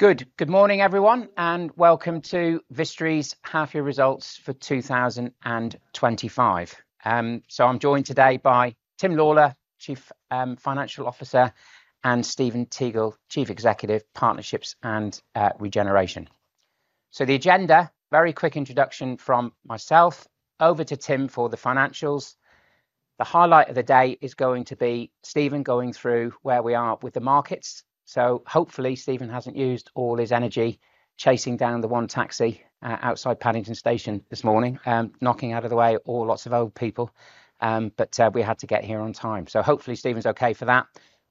Good morning, everyone, and welcome to Vistry's Half Year Results for 2025. I'm joined today by Tim Lawlor, Chief Financial Officer, and Stephen Teagle, Chief Executive, Partnerships and Regeneration. The agenda: very quick introduction from myself, over to Tim for the financials. The highlight of the day is going to be Stephen going through where we are with the markets. Hopefully, Stephen hasn't used all his energy chasing down the one taxi outside Paddington Station this morning, knocking out of the way all lots of old people. We had to get here on time. Hopefully, Stephen's okay for that.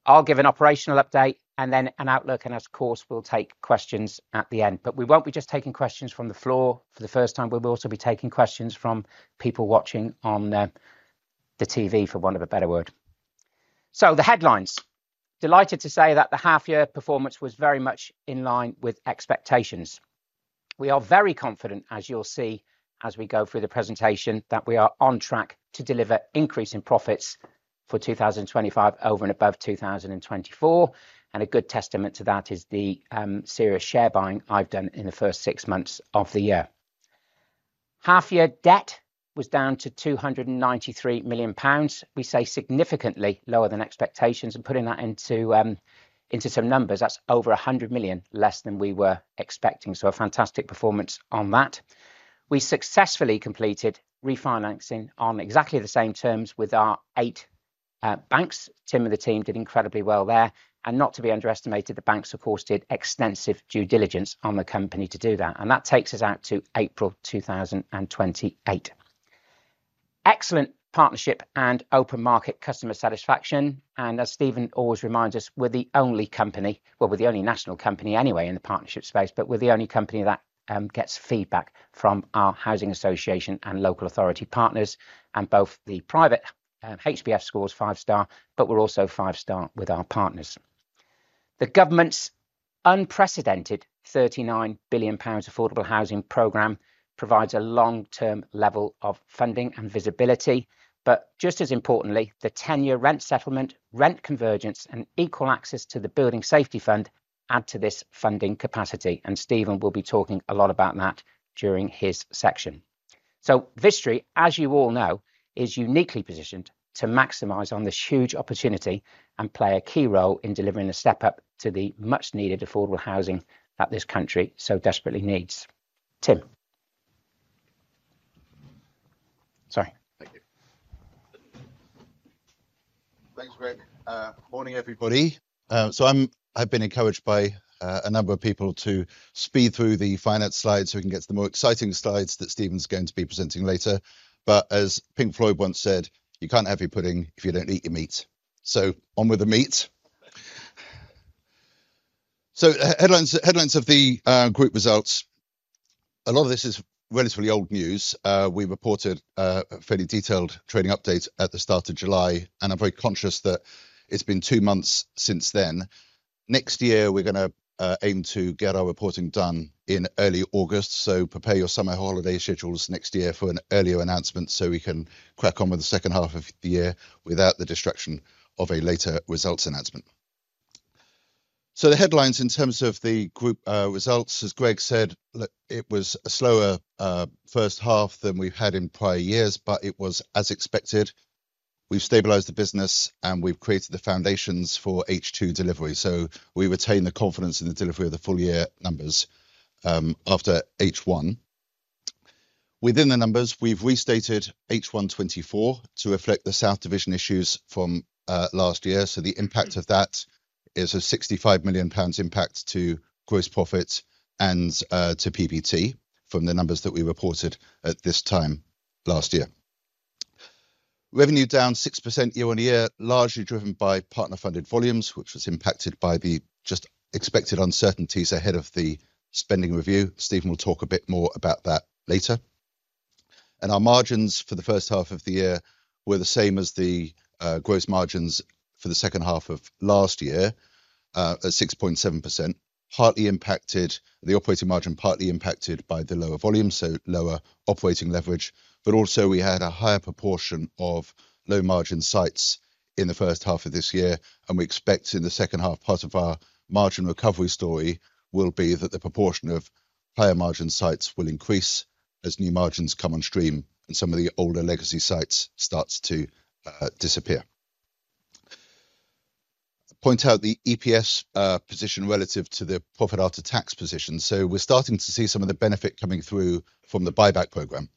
I'll give an operational update and then an outlook, and of course, we'll take questions at the end. We won't be just taking questions from the floor for the first time. We will also be taking questions from people watching on the TV, for want of a better word. The headlines: delighted to say that the half-year performance was very much in line with expectations. We are very confident, as you'll see as we go through the presentation, that we are on track to deliver increasing profits for 2025 over and above 2024. A good testament to that is the serious share buying I've done in the first six months of the year. Half-year debt was down to 293 million pounds. We say significantly lower than expectations. Putting that into some numbers, that's over 100 million less than we were expecting. A fantastic performance on that. We successfully completed refinancing on exactly the same terms with our eight banks. Tim and the team did incredibly well there. Not to be underestimated, the banks, of course, did extensive due diligence on the company to do that. That takes us out to April 2028. Excellent partnership and open market customer satisfaction. As Stephen always reminds us, we're the only company, well, we're the only national company anyway in the partnership space, but we're the only company that gets feedback from our housing association and local authority partners. Both the private HBF scores five star, but we're also five star with our partners. The government's unprecedented 39 billion pounds affordable housing program provides a long-term level of funding and visibility. Just as importantly, the 10-year rent settlement, rent convergence, and equal access to the building safety fund add to this funding capacity. Stephen will be talking a lot about that during his section. Vistry, as you all know, is uniquely positioned to maximize on this huge opportunity and play a key role in delivering a step up to the much-needed affordable housing that this country so desperately needs. Tim. Thanks, Greg. Morning, everybody. I've been encouraged by a number of people to speed through the finance slides so we can get to the more exciting slides that Stephen's going to be presenting later. As Pink Floyd once said, you can't have your pudding if you don't eat your meat. On with the meat. Headlines of the group results. A lot of this is relatively old news. We reported a fairly detailed trading update at the start of July, and I'm very conscious that it's been two months since then. Next year, we're going to aim to get our reporting done in early August. Prepare your summer holiday schedules next year for an earlier announcement so we can crack on with the second half of the year without the distraction of a later results announcement. The headlines in terms of the group results, as Greg said, it was a slower first half than we've had in prior years, but it was as expected. We've stabilized the business and we've created the foundations for H2 delivery. We retain the confidence in the delivery of the full year numbers after H1. Within the numbers, we've restated H1 24 to reflect the South Division issues from last year. The impact of that is a 65 million pounds impact to gross profits and to PVT from the numbers that we reported at this time last year. Revenue down 6% year-on-year, largely driven by partner-funded volumes, which was impacted by the just expected uncertainties ahead of the spending review. Stephen will talk a bit more about that later. Our margins for the first half of the year were the same as the gross margins for the second half of last year, at 6.7%. The operating margin was partly impacted by the lower volumes, so lower operating leverage. We had a higher proportion of low margin sites in the first half of this year. We expect in the second half, part of our margin recovery story will be that the proportion of higher margin sites will increase as new margins come on stream and some of the older legacy sites start to disappear. I'll point out the EPS position relative to the profit after tax position. We're starting to see some of the benefit coming through from the buyback program.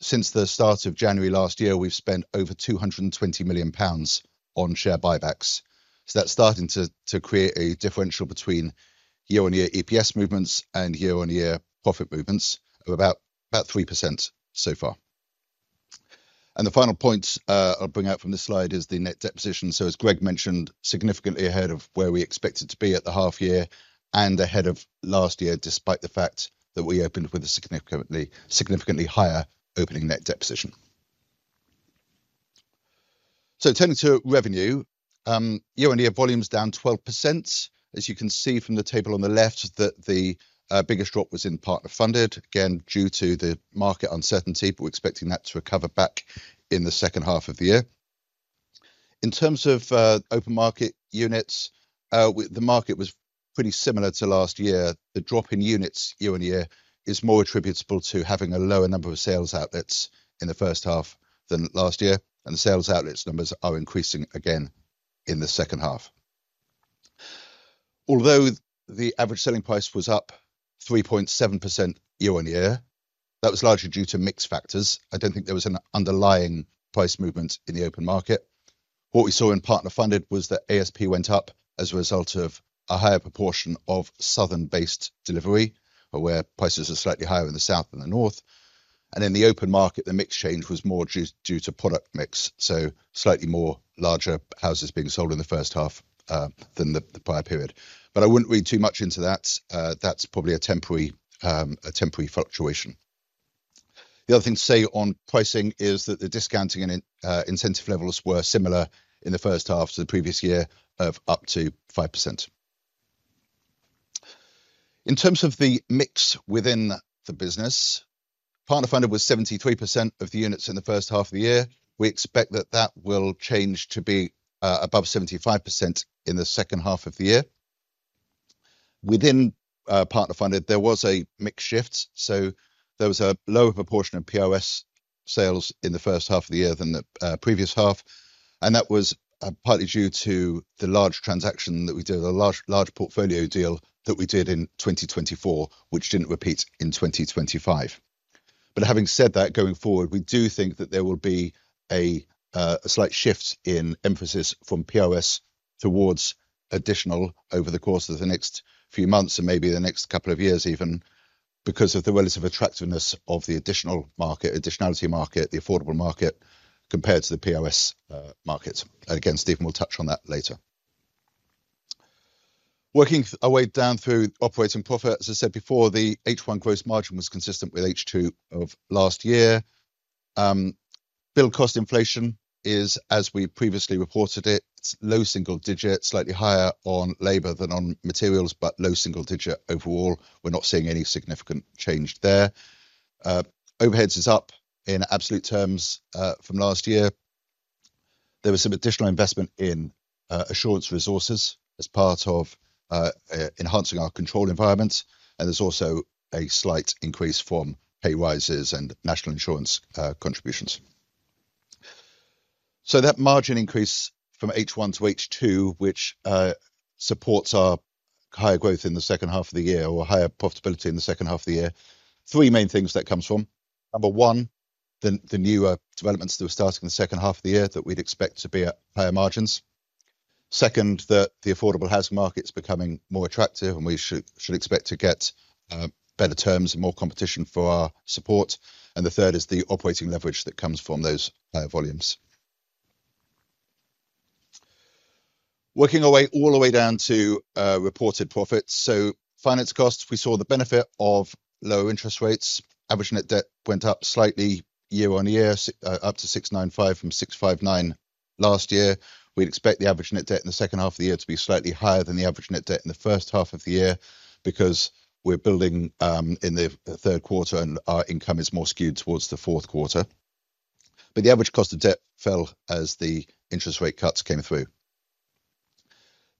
Since the start of January last year, we've spent over 220 million pounds on share buybacks. That's starting to create a differential between year-on-year EPS movements and year-on-year profit movements of about 3% so far. The final point I'll bring out from this slide is the net deposition. As Greg mentioned, significantly ahead of where we expected to be at the half year and ahead of last year, despite the fact that we opened with a significantly higher opening net deposition. Turning to revenue, year-on-year volumes down 12%. As you can see from the table on the left, the biggest drop was in partner-funded, again due to the market uncertainty, but we're expecting that to recover back in the second half of the year. In terms of open market units, the market was pretty similar to last year. The drop in units year-on-year is more attributable to having a lower number of sales outlets in the first half than last year. The sales outlets numbers are increasing again in the second half. Although the average selling price was up 3.7% year-on-year, that was largely due to mixed factors. I don't think there was an underlying price movement in the open market. What we saw in partner-funded was that ASP went up as a result of a higher proportion of southern-based delivery, where prices are slightly higher in the south than the north. In the open market, the mix change was more due to product mix. Slightly more larger houses being sold in the first half than the prior period. I wouldn't read too much into that. That's probably a temporary fluctuation. The other thing to say on pricing is that the discounting and incentive levels were similar in the first half to the previous year of up to 5%. In terms of the mix within the business, partner-funded was 73% of the units in the first half of the year. We expect that will change to be above 75% in the second half of the year. Within partner-funded, there was a mixed shift. There was a lower proportion of POS sales in the first half of the year than the previous half. That was partly due to the large transaction that we did, a large portfolio deal that we did in 2024, which didn't repeat in 2025. Having said that, going forward, we do think that there will be a slight shift in emphasis from POS towards additional over the course of the next few months and maybe the next couple of years even, because of the relative attractiveness of the additional market, additionality market, the affordable market compared to the POS market. Stephen will touch on that later. Working our way down through operating profit, as I said before, the H1 gross margin was consistent with H2 of last year. Billed cost inflation is, as we previously reported it, low single digit, slightly higher on labor than on materials, but low single digit overall. We're not seeing any significant change there. Overheads is up in absolute terms from last year. There was some additional investment in assurance resources as part of enhancing our control environment. There's also a slight increase from pay rises and national insurance contributions. That margin increase from H1 to H2, which supports our higher growth in the second half of the year or higher profitability in the second half of the year, three main things that comes from. Number one, the newer developments that are starting in the second half of the year that we'd expect to be at higher margins. Second, that the affordable housing market's becoming more attractive and we should expect to get better terms and more competition for our support. The third is the operating leverage that comes from those higher volumes. Working our way all the way down to reported profits. Finance costs, we saw the benefit of lower interest rates. Average net debt went up slightly year-on-year, up to 6.95 million from 6.59 million last year. We'd expect the average net debt in the second half of the year to be slightly higher than the average net debt in the first half of the year because we're building in the third quarter and our income is more skewed towards the fourth quarter. The average cost of debt fell as the interest rate cuts came through.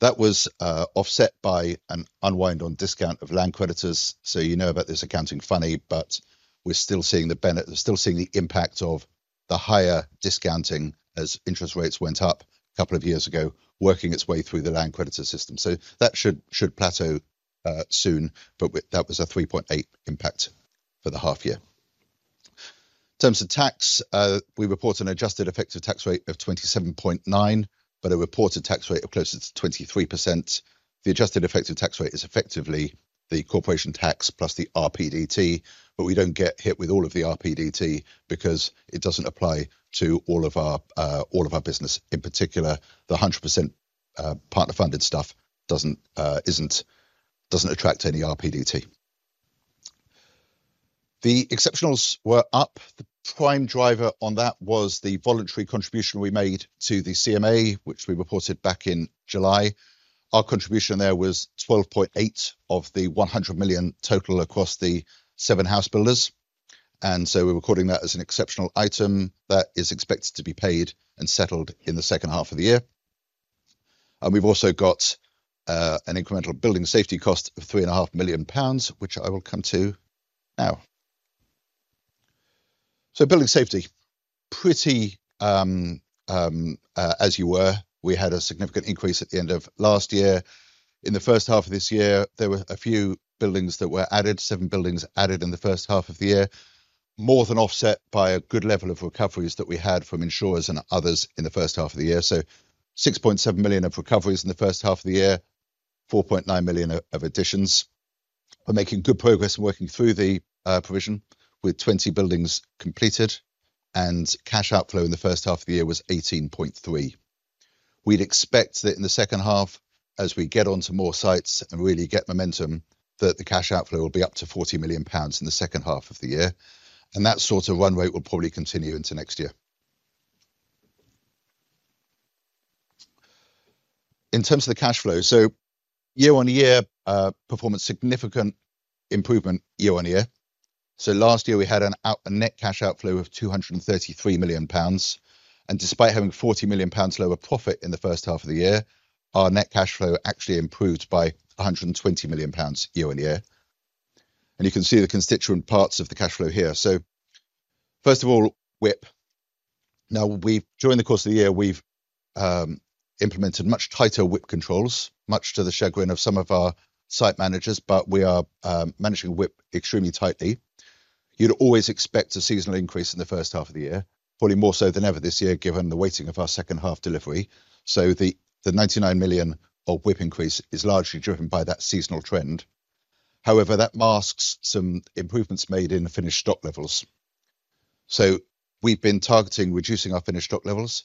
That was offset by an unwind on discount of land creditors. You know about this accounting funny, but we're still seeing the benefit, still seeing the impact of the higher discounting as interest rates went up a couple of years ago, working its way through the land creditor system. That should plateau soon, but that was a 3.8% impact for the half year. In terms of tax, we report an adjusted effective tax rate of 27.9%, but a reported tax rate of closer to 23%. The adjusted effective tax rate is effectively the corporation tax plus the RPDT, but we don't get hit with all of the RPDT because it doesn't apply to all of our business. In particular, the 100% partner-funded stuff doesn't attract any RPDT. The exceptionals were up. The prime driver on that was the voluntary contribution we made to the CMA, which we reported back in July. Our contribution there was 12.8% of the 100 million total across the seven house builders. We're recording that as an exceptional item that is expected to be paid and settled in the second half of the year. We've also got an incremental building safety cost of 3.5 million pounds, which I will come to now. Building safety, pretty as you were, we had a significant increase at the end of last year. In the first half of this year, there were a few buildings that were added, seven buildings added in the first half of the year, more than offset by a good level of recoveries that we had from insurers and others in the first half of the year. 6.7 million of recoveries in the first half of the year, 4.9 million of additions. We're making good progress in working through the provision with 20 buildings completed. Cash outflow in the first half of the year was 18.3%. We expect that in the second half, as we get onto more sites and really get momentum, the cash outflow will be up to 40 million pounds in the second half of the year. That sort of run rate will probably continue into next year. In terms of the cash flow, year-on-year performance, significant improvement year-on-year. Last year we had a net cash outflow of 233 million pounds. Despite having 40 million pounds lower profit in the first half of the year, our net cash flow actually improved by 120 million pounds year-on-year. You can see the constituent parts of the cash flow here. First of all, WIP, during the course of the year, we've implemented much tighter WIP controls, much to the chagrin of some of our site managers, but we are managing WIP extremely tightly. You'd always expect a seasonal increase in the first half of the year, probably more so than ever this year given the weighting of our second half delivery. The 99 million of WIP increase is largely driven by that seasonal trend. However, that masks some improvements made in the finished stock levels. We've been targeting reducing our finished stock levels.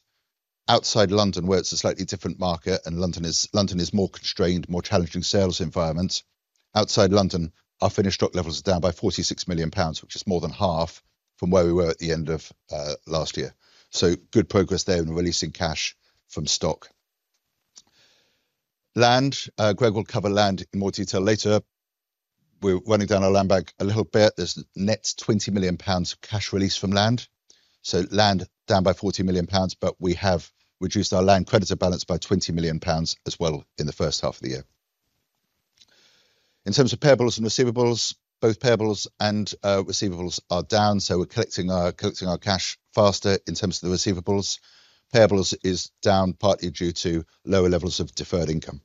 Outside London, where it's a slightly different market and London is more constrained, more challenging sales environment, outside London, our finished stock levels are down by 46 million pounds, which is more than half from where we were at the end of last year. Good progress there in releasing cash from stock. Land, Greg will cover land in more detail later. We're running down our land bank a little bit. There's net 20 million pounds of cash release from land. Land down by 40 million pounds, but we have reduced our land creditor balance by 20 million pounds as well in the first half of the year. In terms of payables and receivables, both payables and receivables are down. We're collecting our cash faster in terms of the receivables. Payables is down partly due to lower levels of deferred income.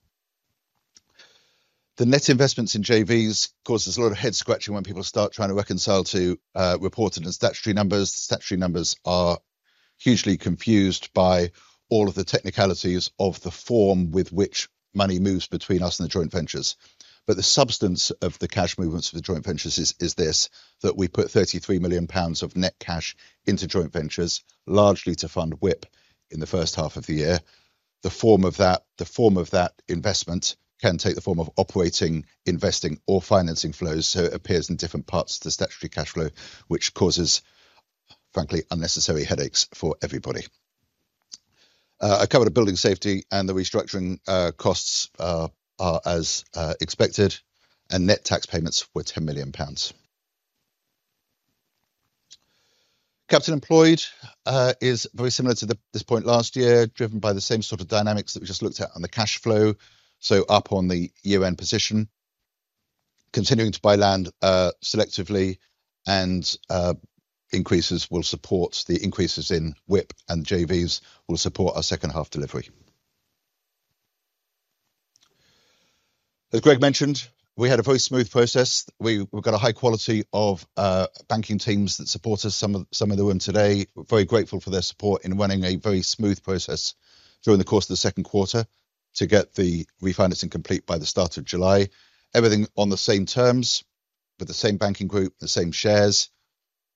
The net investments in joint ventures cause us a lot of head-scratching when people start trying to reconcile to reported and statutory numbers. Statutory numbers are hugely confused by all of the technicalities of the form with which money moves between us and the joint ventures. The substance of the cash movements of the joint ventures is this, that we put 33 million pounds of net cash into joint ventures, largely to fund WIP in the first half of the year. The form of that investment can take the form of operating, investing, or financing flows. It appears in different parts of the statutory cash flow, which causes, frankly, unnecessary headaches for everybody. I covered building safety and the restructuring costs are as expected. Net tax payments were 10 million pounds. Capital employed is very similar to this point last year, driven by the same sort of dynamics that we just looked at on the cash flow. Up on the year-end position, continuing to buy land selectively and increases will support the increases in WIP and joint ventures will support our second half delivery. As Greg mentioned, we had a very smooth process. We've got a high quality of banking teams that support us. Some of them are in today. We're very grateful for their support in running a very smooth process during the course of the second quarter to get the refinancing complete by the start of July. Everything on the same terms with the same banking group and same shares.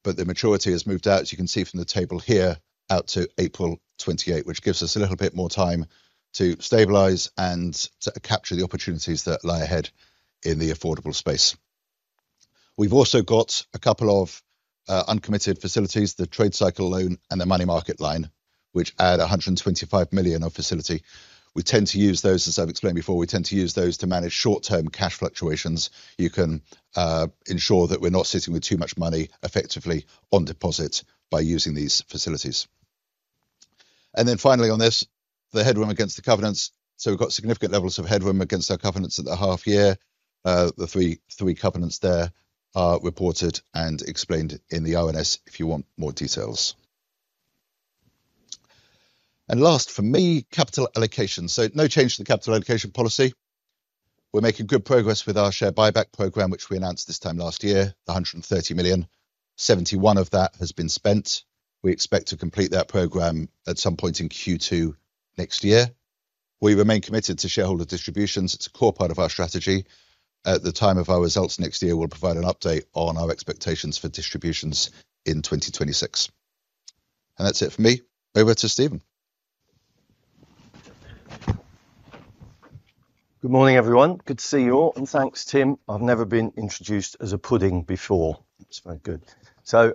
The maturity has moved out, as you can see from the table here, out to April 2028, which gives us a little bit more time to stabilize and to capture the opportunities that lie ahead in the affordable space. We've also got a couple of uncommitted facilities, the trade cycle loan and the money market line, which add 125 million of facility. We tend to use those, as I've explained before, to manage short-term cash fluctuations. You can ensure that we're not sitting with too much money effectively on deposit by using these facilities. Finally on this, the headwind against the covenants. We've got significant levels of headwind against our covenants at the half year. The three covenants there are reported and explained in the ONS if you want more details. Last for me, capital allocation. No change to the capital allocation policy. We're making good progress with our share buyback program, which we announced this time last year, 130 million. 71 million of that has been spent. We expect to complete that program at some point in Q2 next year. We remain committed to shareholder distributions. It's a core part of our strategy. At the time of our results next year, we'll provide an update on our expectations for distributions in 2026. That's it for me. Over to Stephen. Good morning, everyone. Good to see you all. Thanks, Tim. I've never been introduced as a pudding before. It's very good.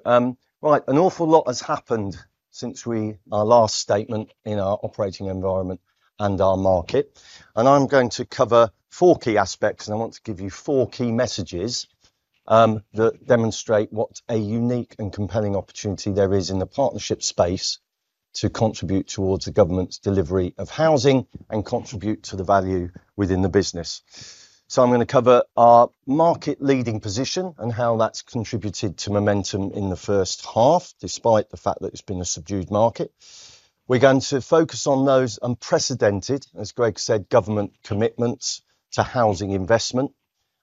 An awful lot has happened since our last statement in our operating environment and our market. I'm going to cover four key aspects. I want to give you four key messages that demonstrate what a unique and compelling opportunity there is in the partnership space to contribute towards the government's delivery of housing and contribute to the value within the business. I'm going to cover our market leading position and how that's contributed to momentum in the first half, despite the fact that it's been a subdued market. We're going to focus on those unprecedented, as Greg said, government commitments to housing investment.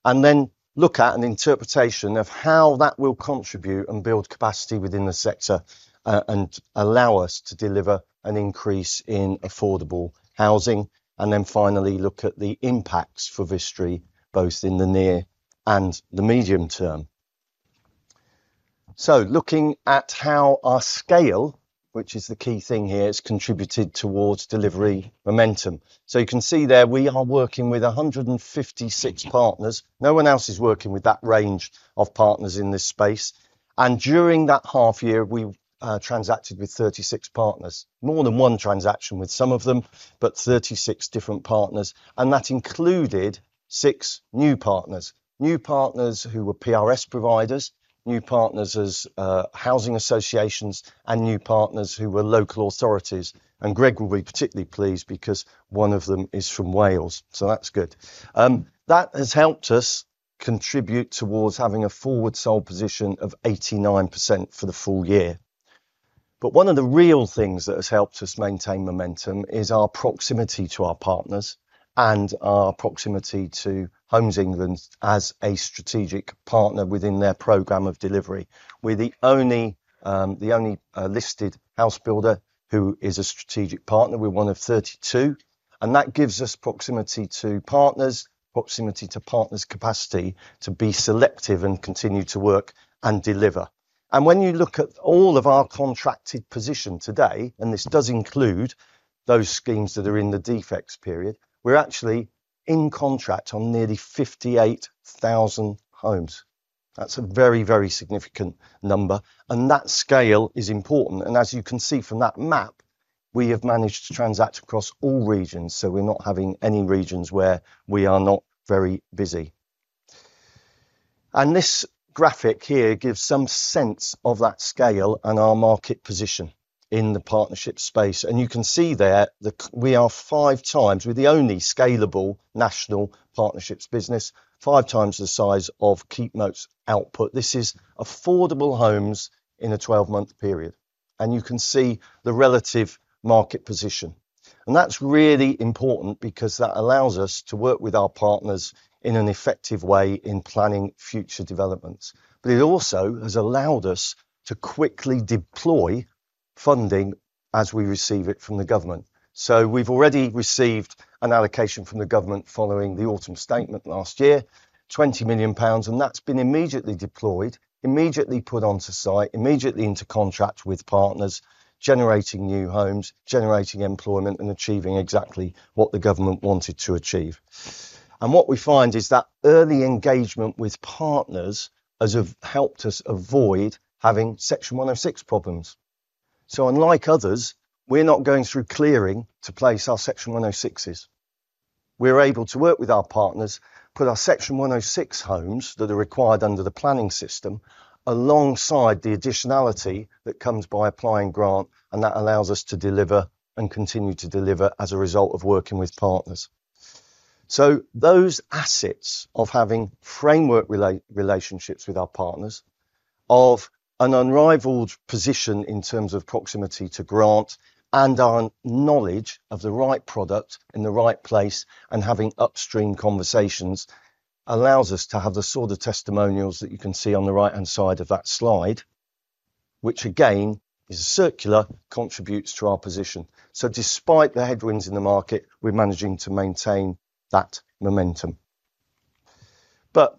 Then look at an interpretation of how that will contribute and build capacity within the sector and allow us to deliver an increase in affordable housing. Finally, look at the impacts for Vistry, both in the near and the medium term. Looking at how our scale, which is the key thing here, has contributed towards delivery momentum. You can see there we are working with 156 partners. No one else is working with that range of partners in this space. During that half year, we transacted with 36 partners. More than one transaction with some of them, but 36 different partners. That included six new partners. New partners who were PRS providers, new partners as housing associations, and new partners who were local authorities. Greg will be particularly pleased because one of them is from Wales. That's good. That has helped us contribute towards having a forward-sold position of 89% for the full year. One of the real things that has helped us maintain momentum is our proximity to our partners and our proximity to Homes England as a strategic partner within their program of delivery. We're the only listed house builder who is a strategic partner. We're one of 32. That gives us proximity to partners, proximity to partners' capacity to be selective and continue to work and deliver. When you look at all of our contracted position today, and this does include those schemes that are in the defects period, we're actually in contract on nearly 58,000 homes. That's a very, very significant number. That scale is important. As you can see from that map, we have managed to transact across all regions. We're not having any regions where we are not very busy. This graphic here gives some sense of that scale and our market position in the partnership space. You can see there that we are five times, we're the only scalable national partnerships business, five times the size of Keepmoat's output. This is affordable homes in a 12-month period. You can see the relative market position. That's really important because that allows us to work with our partners in an effective way in planning future developments. It also has allowed us to quickly deploy funding as we receive it from the government. We've already received an allocation from the government following the autumn statement last year, 20 million pounds. That's been immediately deployed, immediately put onto site, immediately into contract with partners, generating new homes, generating employment, and achieving exactly what the government wanted to achieve. What we find is that early engagement with partners has helped us avoid having Section 106 problems. Unlike others, we're not going through clearing to place our Section 106s. We're able to work with our partners, put our Section 106 homes that are required under the planning system alongside the additionality that comes by applying grant, and that allows us to deliver and continue to deliver as a result of working with partners. Those assets of having framework relationships with our partners, of an unrivaled position in terms of proximity to grant, and our knowledge of the right product in the right place, and having upstream conversations allows us to have the sort of testimonials that you can see on the right-hand side of that slide, which again is a circular contributes to our position. Despite the headwinds in the market, we're managing to maintain that momentum.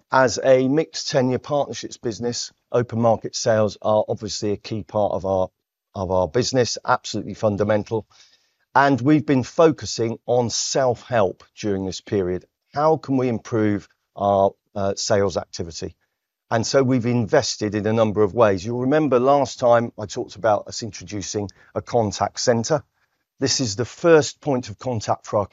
As a mixed-tenure partnerships business, open market sales are obviously a key part of our business, absolutely fundamental. We've been focusing on self-help during this period. How can we improve our sales activity? We've invested in a number of ways. You'll remember last time I talked about us introducing a contact center. This is the first point of contact for our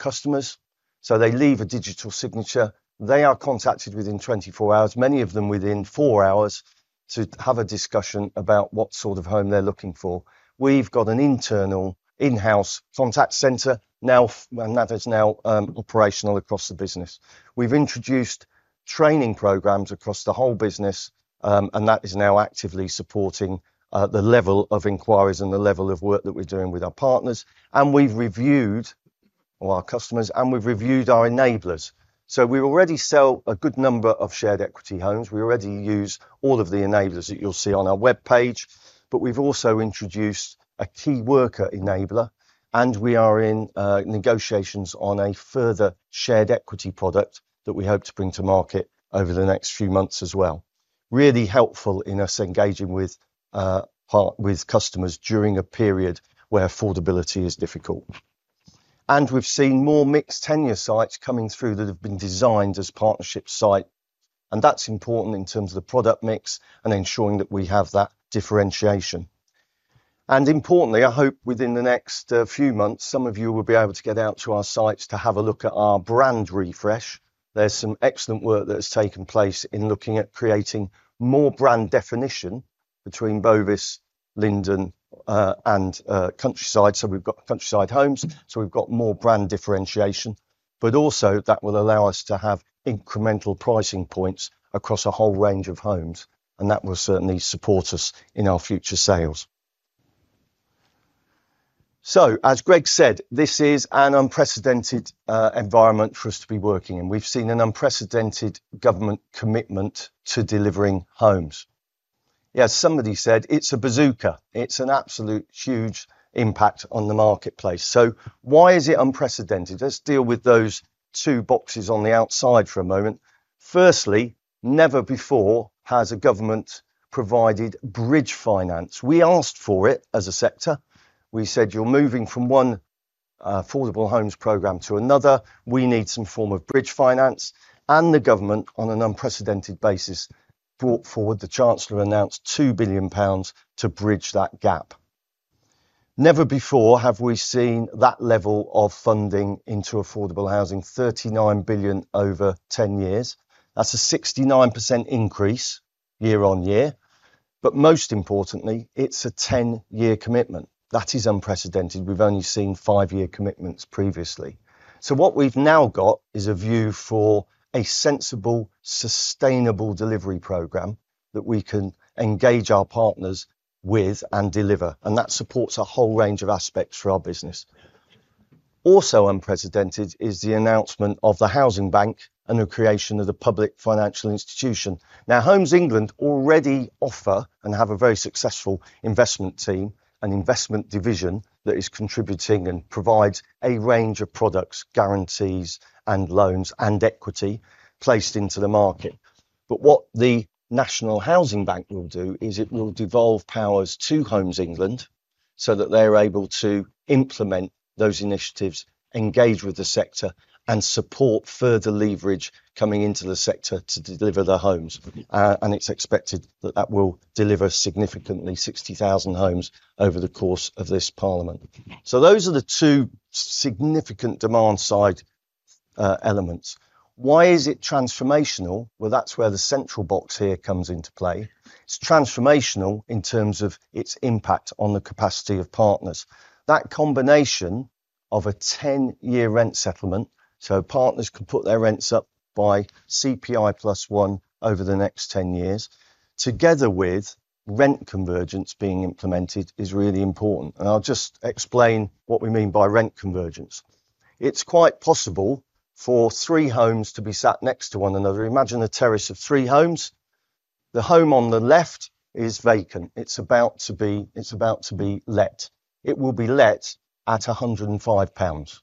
customers. They leave a digital signature. They are contacted within 24 hours, many of them within four hours, to have a discussion about what sort of home they're looking for. We've got an internal in-house contact center, and that is now operational across the business. We've introduced training programs across the whole business, and that is now actively supporting the level of inquiries and the level of work that we're doing with our partners. We've reviewed our customers, and we've reviewed our enablers. We already sell a good number of shared equity homes. We already use all of the enablers that you'll see on our web page. We've also introduced a key worker enabler, and we are in negotiations on a further shared equity product that we hope to bring to market over the next few months as well. This is really helpful in us engaging with customers during a period where affordability is difficult. We've seen more mixed-tenure sites coming through that have been designed as partnership sites. That is important in terms of the product mix and ensuring that we have that differentiation. Importantly, I hope within the next few months, some of you will be able to get out to our sites to have a look at our brand refresh. There's some excellent work that has taken place in looking at creating more brand definition between Bovis, Linden, and Countryside. We've got Countryside Homes. We've got more brand differentiation. That will allow us to have incremental pricing points across a whole range of homes. That will certainly support us in our future sales. As Greg said, this is an unprecedented environment for us to be working in. We've seen an unprecedented government commitment to delivering homes. As somebody said, it's a bazooka. It's an absolute huge impact on the marketplace. Why is it unprecedented? Let's deal with those two boxes on the outside for a moment. Firstly, never before has a government provided bridge finance. We asked for it as a sector. We said, you're moving from one affordable homes program to another. We need some form of bridge finance. The government, on an unprecedented basis, brought forward the Chancellor announced 2 billion pounds to bridge that gap. Never before have we seen that level of funding into affordable housing, 39 billion over 10 years. That's a 69% increase year-on-year. Most importantly, it's a 10-year commitment. That is unprecedented. We've only seen five-year commitments previously. What we've now got is a view for a sensible, sustainable delivery program that we can engage our partners with and deliver. That supports a whole range of aspects for our business. Also unprecedented is the announcement of the Housing Bank and the creation of the public financial institution. Homes England already offer and have a very successful investment team, an investment division that is contributing and provides a range of products, guarantees, loans, and equity placed into the market. What the National Housing Bank will do is devolve powers to Homes England so that they're able to implement those initiatives, engage with the sector, and support further leverage coming into the sector to deliver the homes. It is expected that that will deliver significantly, 60,000 homes over the course of this Parliament. Those are the two significant demand side elements. It is transformational. That's where the central box here comes into play. It's transformational in terms of its impact on the capacity of partners. That combination of a 10-year rent settlement, so partners could put their rents up by CPI plus one over the next 10 years, together with rent convergence being implemented, is really important. I'll just explain what we mean by rent convergence. It's quite possible for three homes to be sat next to one another. Imagine a terrace of three homes. The home on the left is vacant. It's about to be let. It will be let at 105 pounds.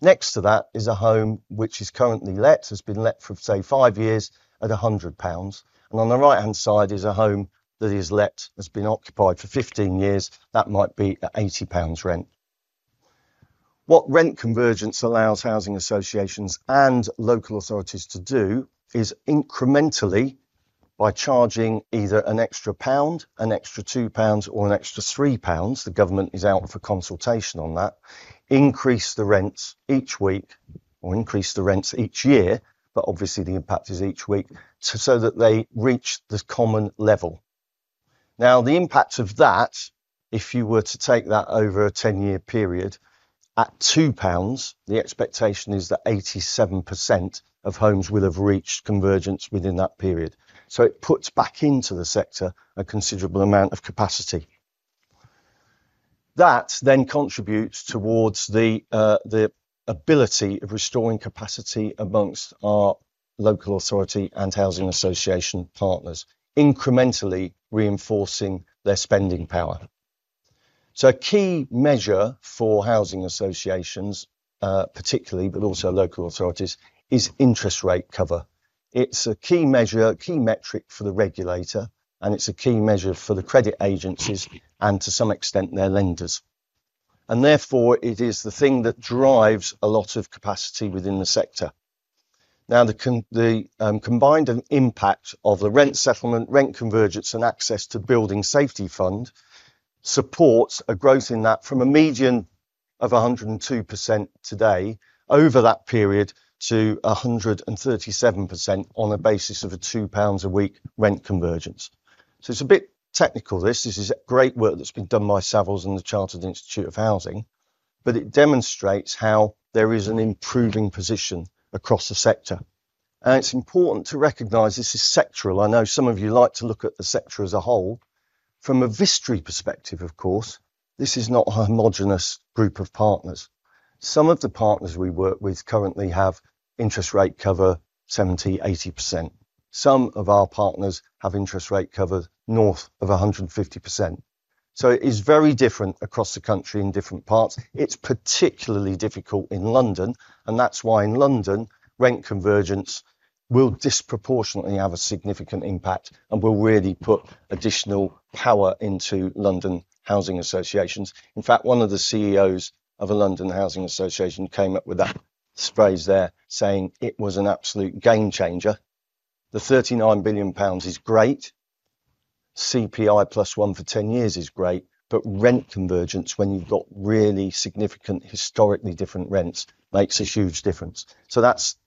Next to that is a home which is currently let, has been let for, say, five years at 100 pounds. On the right-hand side is a home that is let, has been occupied for 15 years. That might be at 80 pounds rent. What rent convergence allows housing associations and local authorities to do is incrementally, by charging either an extra pound, an extra 2 pounds, or an extra GBP 3—the government is out for consultation on that—increase the rents each week or increase the rents each year, but obviously the impact is each week, so that they reach this common level. The impact of that, if you were to take that over a 10-year period, at 2 pounds, the expectation is that 87% of homes will have reached convergence within that period. It puts back into the sector a considerable amount of capacity. That then contributes towards the ability of restoring capacity amongst our local authority and housing association partners, incrementally reinforcing their spending power. A key measure for housing associations, particularly, but also local authorities, is interest rate cover. It's a key measure, a key metric for the regulator, and it's a key measure for the credit agencies and to some extent their lenders. Therefore, it is the thing that drives a lot of capacity within the sector. Now, the combined impact of the rent settlement, rent convergence, and access to building safety fund supports a growth in that from a median of 102% today over that period to 137% on a basis of a 2 pounds a week rent convergence. It's a bit technical, this. This is great work that's been done by Savills and the Chartered Institute of Housing, but it demonstrates how there is an improving position across the sector. It's important to recognize this is sectoral. I know some of you like to look at the sector as a whole. From a Vistry perspective, of course, this is not a homogenous group of partners. Some of the partners we work with currently have interest rate cover 70%, 80%. Some of our partners have interest rate cover north of 150%. It is very different across the country in different parts. It's particularly difficult in London, and that's why in London, rent convergence will disproportionately have a significant impact and will really put additional power into London housing associations. In fact, one of the CEOs of a London housing association came up with that phrase there, saying it was an absolute game changer. The 39 billion pounds is great. CPI +1 for 10 years is great, but rent convergence, when you've got really significant, historically different rents, makes a huge difference.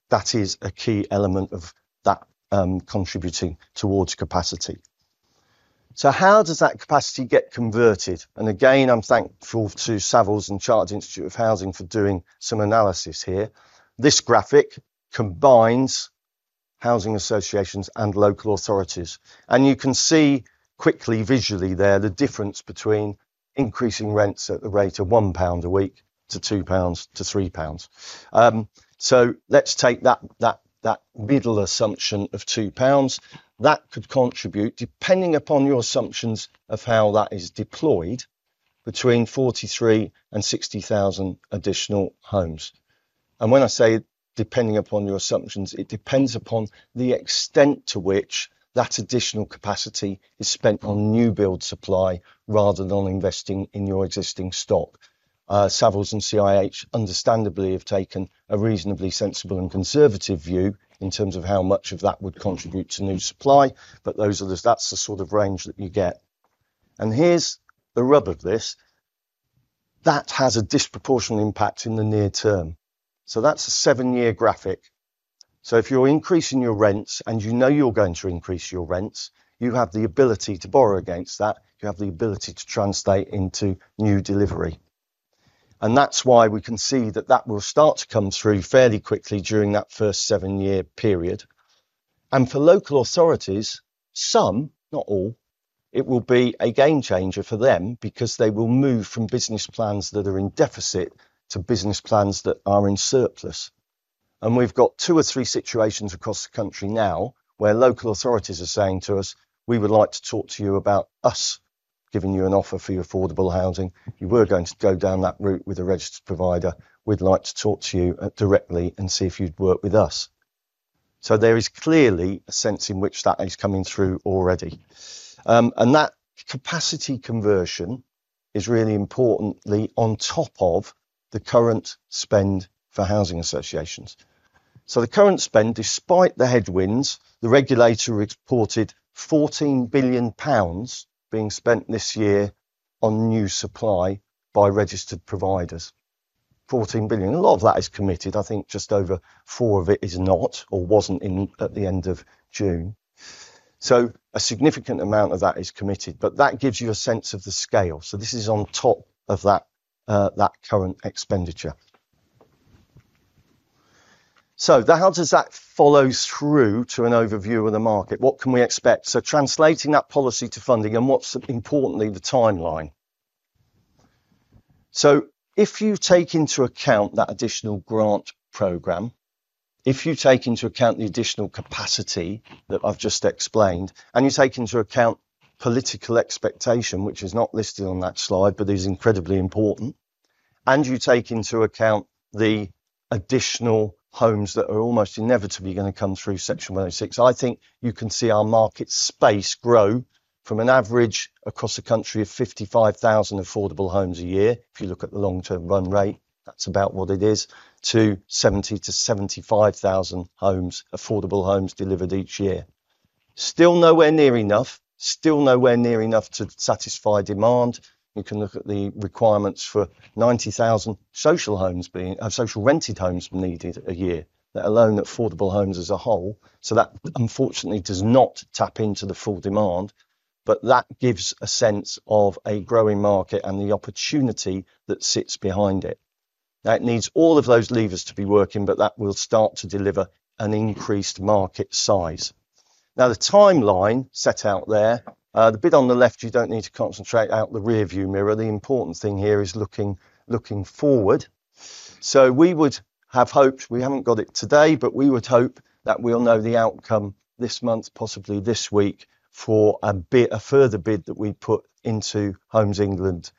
That is a key element of that contributing towards capacity. How does that capacity get converted? I'm thankful to Savills and Chartered Institute of Housing for doing some analysis here. This graphic combines housing associations and local authorities. You can see quickly, visually there, the difference between increasing rents at the rate of 1 pound a week to 2 pounds to 3 pounds. Let's take that middle assumption of 2 pounds that could contribute, depending upon your assumptions of how that is deployed, between 43,000 and 60,000 additional homes. When I say depending upon your assumptions, it depends upon the extent to which that additional capacity is spent on new build supply rather than on investing in your existing stock. Savills and CIH understandably have taken a reasonably sensible and conservative view in terms of how much of that would contribute to new supply. Those others, that's the sort of range that you get. Here's the rub of this. That has a disproportionate impact in the near term. That's a seven-year graphic. If you're increasing your rents and you know you're going to increase your rents, you have the ability to borrow against that. You have the ability to translate into new delivery. That's why we can see that will start to come through fairly quickly during that first seven-year period. For local authorities, some, not all, it will be a game changer for them because they will move from business plans that are in deficit to business plans that are in surplus. We've got two or three situations across the country now where local authorities are saying to us, we would like to talk to you about us giving you an offer for your affordable housing. You were going to go down that route with a registered provider. We'd like to talk to you directly and see if you'd work with us. There is clearly a sense in which that is coming through already. That capacity conversion is really importantly on top of the current spend for housing associations. The current spend, despite the headwinds, the regulator reported 14 billion pounds being spent this year on new supply by registered providers. 14 billion. A lot of that is committed. I think just over four of it is not or wasn't in at the end of June. A significant amount of that is committed, but that gives you a sense of the scale. This is on top of that current expenditure. How does that follow through to an overview of the market? What can we expect? Translating that policy to funding and what's importantly, the timeline. If you take into account that additional grant program, if you take into account the additional capacity that I've just explained, and you take into account political expectation, which is not listed on that slide, but is incredibly important, and you take into account the additional homes that are almost inevitably going to come through Section 106, I think you can see our market space grow from an average across the country of 55,000 affordable homes a year. If you look at the long-term run rate, that's about what it is, to 70,000-75,000 homes, affordable homes delivered each year. Still nowhere near enough, still nowhere near enough to satisfy demand. We can look at the requirements for 90,000 social homes being social rented homes needed a year, let alone affordable homes as a whole. That unfortunately does not tap into the full demand, but that gives a sense of a growing market and the opportunity that sits behind it. That needs all of those levers to be working, but that will start to deliver an increased market size. The timeline set out there, the bit on the left, you don't need to concentrate out the rearview mirror. The important thing here is looking forward. We would have hoped, we haven't got it today, but we would hope that we'll know the outcome this month, possibly this week, for a bit of further bid that we put into Homes England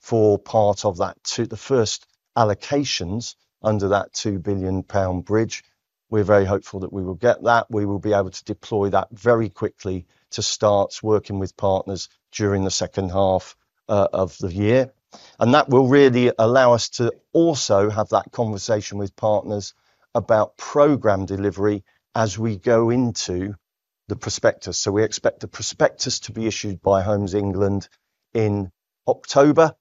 for part of that, the first allocations under that 2 billion pound bridge. We're very hopeful that we will get that. We will be able to deploy that very quickly to start working with partners during the second half of the year. That will really allow us to also have that conversation with partners about program delivery as we go into the prospectus. We expect the prospectus to be issued by Homes England in October.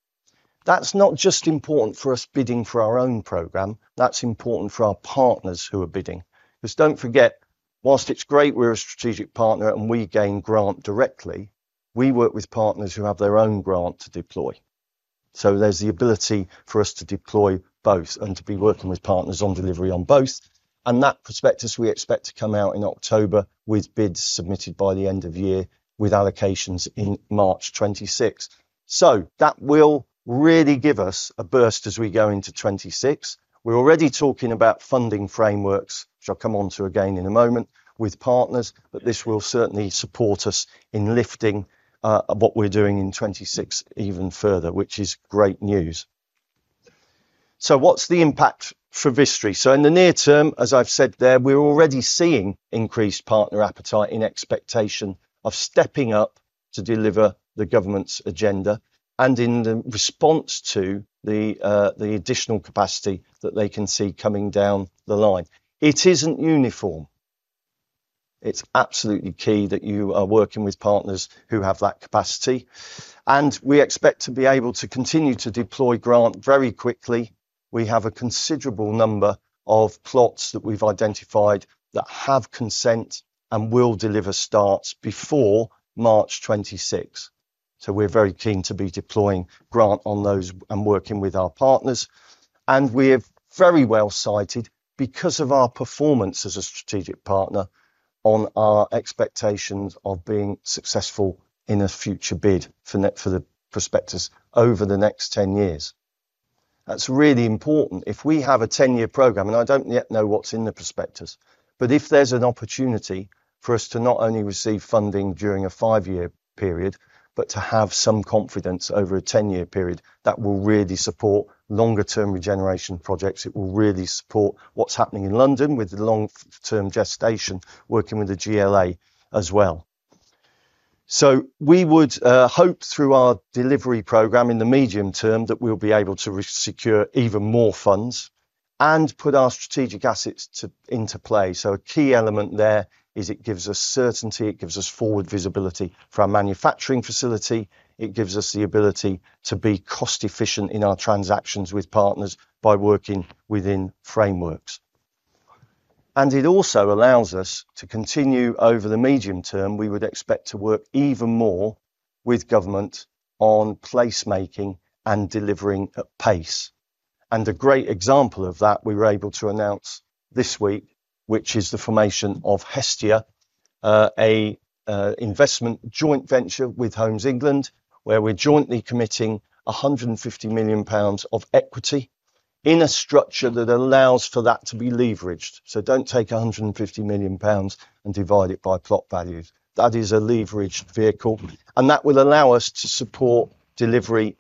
That's not just important for us bidding for our own program. That's important for our partners who are bidding. Because don't forget, whilst it's great we're a strategic partner and we gain grant directly, we work with partners who have their own grant to deploy. There's the ability for us to deploy both and to be working with partners on delivery on both. That prospectus we expect to come out in October with bids submitted by the end of year, with allocations in March 2026. That will really give us a burst as we go into 2026. We're already talking about funding frameworks, which I'll come on to again in a moment, with partners, but this will certainly support us in lifting what we're doing in 2026 even further, which is great news. What's the impact for Vistry? In the near term, as I've said there, we're already seeing increased partner appetite in expectation of stepping up to deliver the government's agenda and in the response to the additional capacity that they can see coming down the line. It isn't uniform. It's absolutely key that you are working with partners who have that capacity. We expect to be able to continue to deploy grant very quickly. We have a considerable number of plots that we've identified that have consent and will deliver starts before March 2026. We're very keen to be deploying grant on those and working with our partners. We have very well cited, because of our performance as a strategic partner, on our expectations of being successful in a future bid for the prospectus over the next 10 years. That's really important. If we have a 10-year program, and I don't yet know what's in the prospectus, but if there's an opportunity for us to not only receive funding during a five-year period, but to have some confidence over a 10-year period, that will really support longer-term regeneration projects. It will really support what's happening in London with long-term gestation, working with the GLA as well. We would hope through our delivery program in the medium term that we'll be able to secure even more funds and put our strategic assets into play. A key element there is it gives us certainty, it gives us forward visibility for our manufacturing facility. It gives us the ability to be cost-efficient in our transactions with partners by working within frameworks. It also allows us to continue over the medium term. We would expect to work even more with government on placemaking and delivering at pace. A great example of that, we were able to announce this week, is the formation of Hestia, an investment joint venture with Homes England, where we're jointly committing 150 million pounds of equity in a structure that allows for that to be leveraged. Do not take 150 million pounds and divide it by plot values. That is a leveraged vehicle. That will allow us to support delivery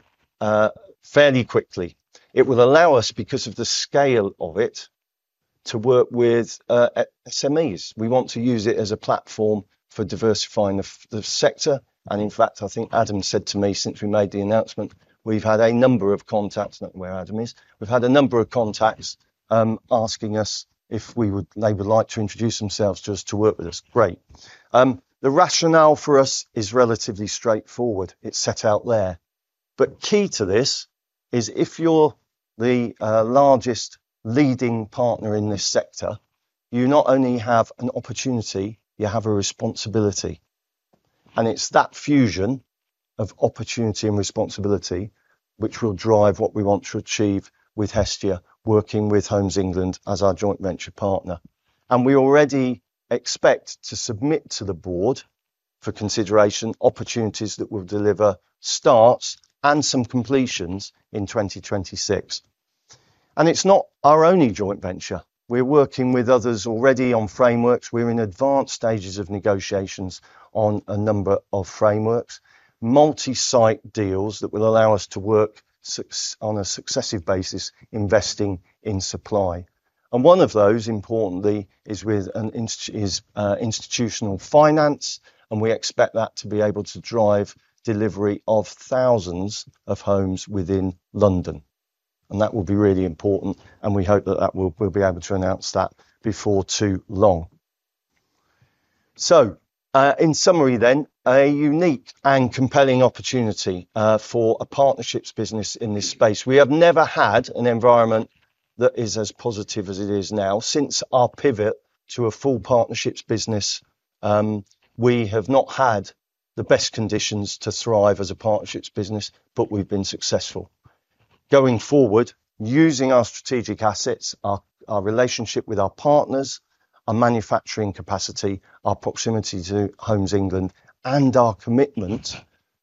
fairly quickly. It will allow us, because of the scale of it, to work with SMEs. We want to use it as a platform for diversifying the sector. In fact, I think Adam said to me, since we made the announcement, we've had a number of contacts, not where Adam is, we've had a number of contacts asking us if they would like to introduce themselves to us to work with us. Great. The rationale for us is relatively straightforward. It's set out there. Key to this is if you're the largest leading partner in this sector, you not only have an opportunity, you have a responsibility. It's that fusion of opportunity and responsibility which will drive what we want to achieve with Hestia, working with Homes England as our joint venture partner. We already expect to submit to the board for consideration opportunities that will deliver starts and some completions in 2026. It's not our only joint venture. We're working with others already on frameworks. We're in advanced stages of negotiations on a number of frameworks, multi-site deals that will allow us to work on a successive basis, investing in supply. One of those, importantly, is with institutional finance. We expect that to be able to drive delivery of thousands of homes within London. That will be really important. We hope that we'll be able to announce that before too long. In summary then, a unique and compelling opportunity for a partnerships business in this space. We have never had an environment that is as positive as it is now. Since our pivot to a full partnerships business, we have not had the best conditions to thrive as a partnerships business, but we've been successful. Going forward, using our strategic assets, our relationship with our partners, our manufacturing capacity, our proximity to Homes England, and our commitment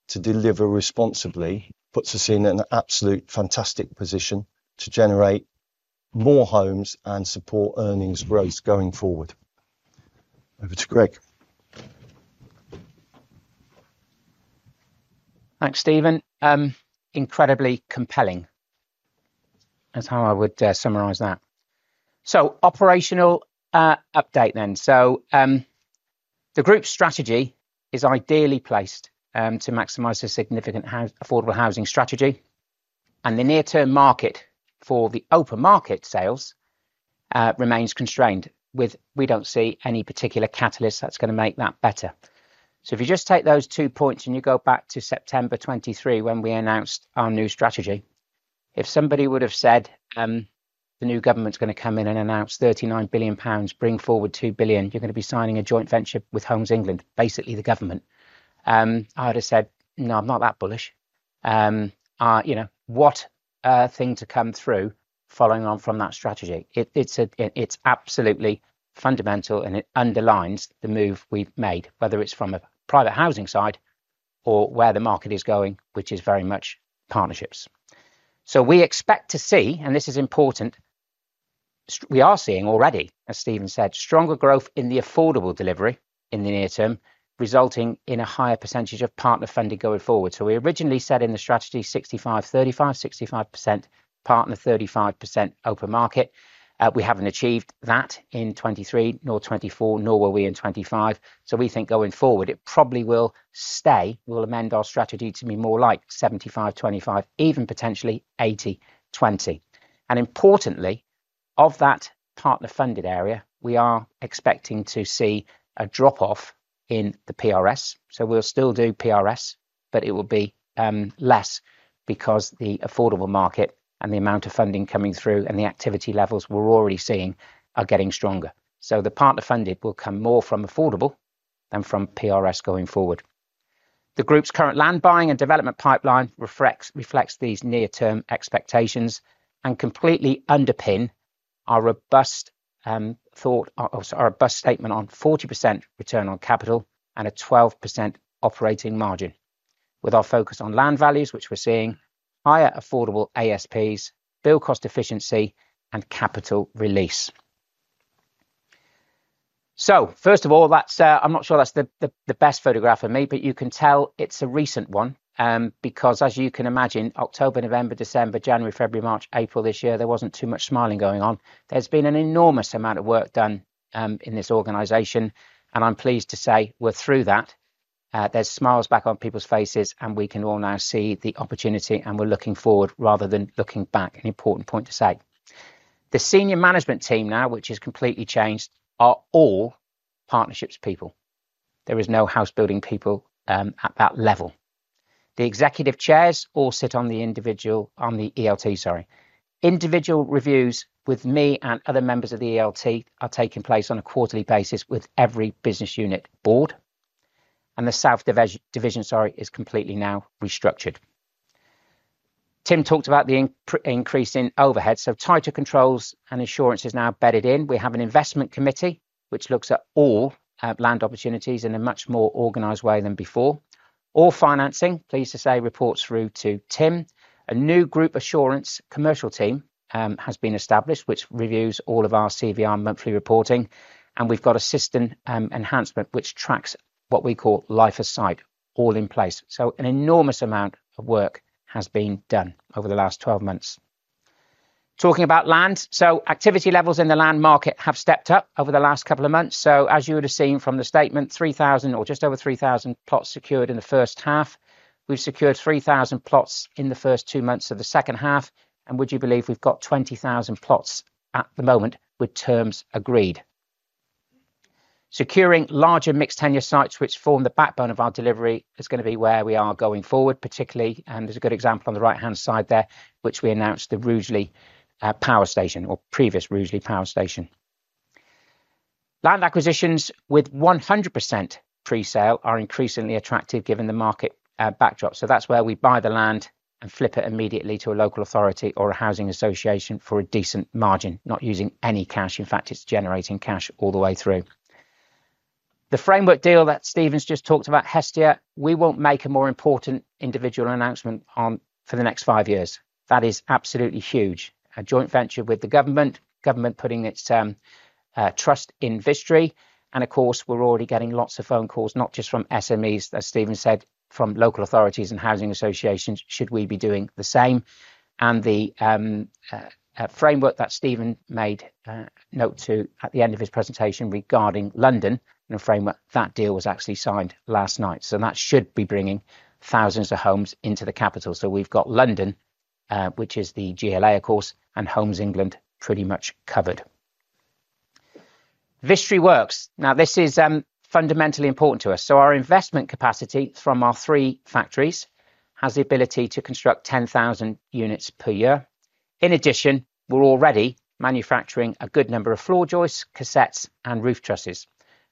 to deliver responsibly puts us in an absolute fantastic position to generate more homes and support earnings growth going forward. Over to Greg. Thanks, Stephen. Incredibly compelling is how I would summarise that. Operational update then. The group strategy is ideally placed to maximize a significant affordable housing strategy. The near-term market for the open market sales remains constrained, with we don't see any particular catalyst that's going to make that better. If you just take those two points and you go back to September 2023 when we announced our new strategy, if somebody would have said the new government's going to come in and announce 39 billion pounds, bring forward 2 billion, you're going to be signing a joint venture with Homes England, basically the government, I would have said, no, I'm not that bullish. You know, what thing to come through following on from that strategy. It's absolutely fundamental and it underlines the move we've made, whether it's from a private housing side or where the market is going, which is very much partnerships. We expect to see, and this is important, we are seeing already, as Stephen said, stronger growth in the affordable delivery in the near term, resulting in a higher percentage of partner funding going forward. We originally said in the strategy, 65%/35%, 65% partner, 35% open market. We haven't achieved that in 2023 nor 2024, nor will we in 2025. We think going forward, it probably will stay. We'll amend our strategy to be more like 75%/25%, even potentially 80%/20%. Importantly, of that partner-funded area, we are expecting to see a drop-off in the PRS. We'll still do PRS, but it will be less because the affordable market and the amount of funding coming through and the activity levels we're already seeing are getting stronger. The partner-funded will come more from affordable than from PRS going forward. The group's current land buying and development pipeline reflects these near-term expectations and completely underpins our robust thought, our robust statement on 40% return on capital and a 12% operating margin, with our focus on land values, which we're seeing, higher affordable ASPs, build cost efficiency, and capital release. First of all, I'm not sure that's the best photograph for me, but you can tell it's a recent one because, as you can imagine, October, November, December, January, February, March, April this year, there wasn't too much smiling going on. There's been an enormous amount of work done in this organization, and I'm pleased to say we're through that. There's smiles back on people's faces, and we can all now see the opportunity, and we're looking forward rather than looking back. An important point to say: the Senior Management Team now, which has completely changed, are all partnerships people. There are no housebuilding people at that level. The Executive Chairs all sit on the individual, on the ELT, sorry. Individual reviews with me and other members of the ELT are taking place on a quarterly basis with every Business Unit Board. The South Division, sorry, is completely now restructured. Tim talked about the increase in overhead, so title controls and insurance is now bedded in. We have an Investment Committee, which looks at all land opportunities in a much more organized way than before. All financing, pleased to say, reports through to Tim. A new Group Assurance Commercial Team has been established, which reviews all of our CVR monthly reporting. We've got a system enhancement, which tracks what we call life aside, all in place. An enormous amount of work has been done over the last 12 months. Talking about land, activity levels in the land market have stepped up over the last couple of months. As you would have seen from the statement, 3,000 or just over 3,000 plots secured in the first half. We've secured 3,000 plots in the first two months of the second half. Would you believe we've got 20,000 plots at the moment with terms agreed? Securing larger mixed-tenure sites, which form the backbone of our delivery, is going to be where we are going forward, particularly, and there's a good example on the right-hand side there, which we announced, the Rugeley power station, or previous Rugeley power station. Land acquisitions with 100% pre-sale are increasingly attractive given the market backdrop. That's where we buy the land and flip it immediately to a local authority or a housing association for a decent margin, not using any cash. In fact, it's generating cash all the way through. The framework deal that Stephen's just talked about, Hestia, we won't make a more important individual announcement on for the next five years. That is absolutely huge. A joint venture with the government, government putting its trust in Vistry. Of course, we're already getting lots of phone calls, not just from SMEs, as Stephen said, from local authorities and housing associations, should we be doing the same? The framework that Stephen made note to at the end of his presentation regarding London, a framework that deal was actually signed last night. That should be bringing thousands of homes into the capital. We've got London, which is the GLA, of course, and Homes England pretty much covered. Vistry Works. This is fundamentally important to us. Our investment capacity from our three factories has the ability to construct 10,000 units per year. In addition, we're already manufacturing a good number of floor joists, cassettes, and roof trusses.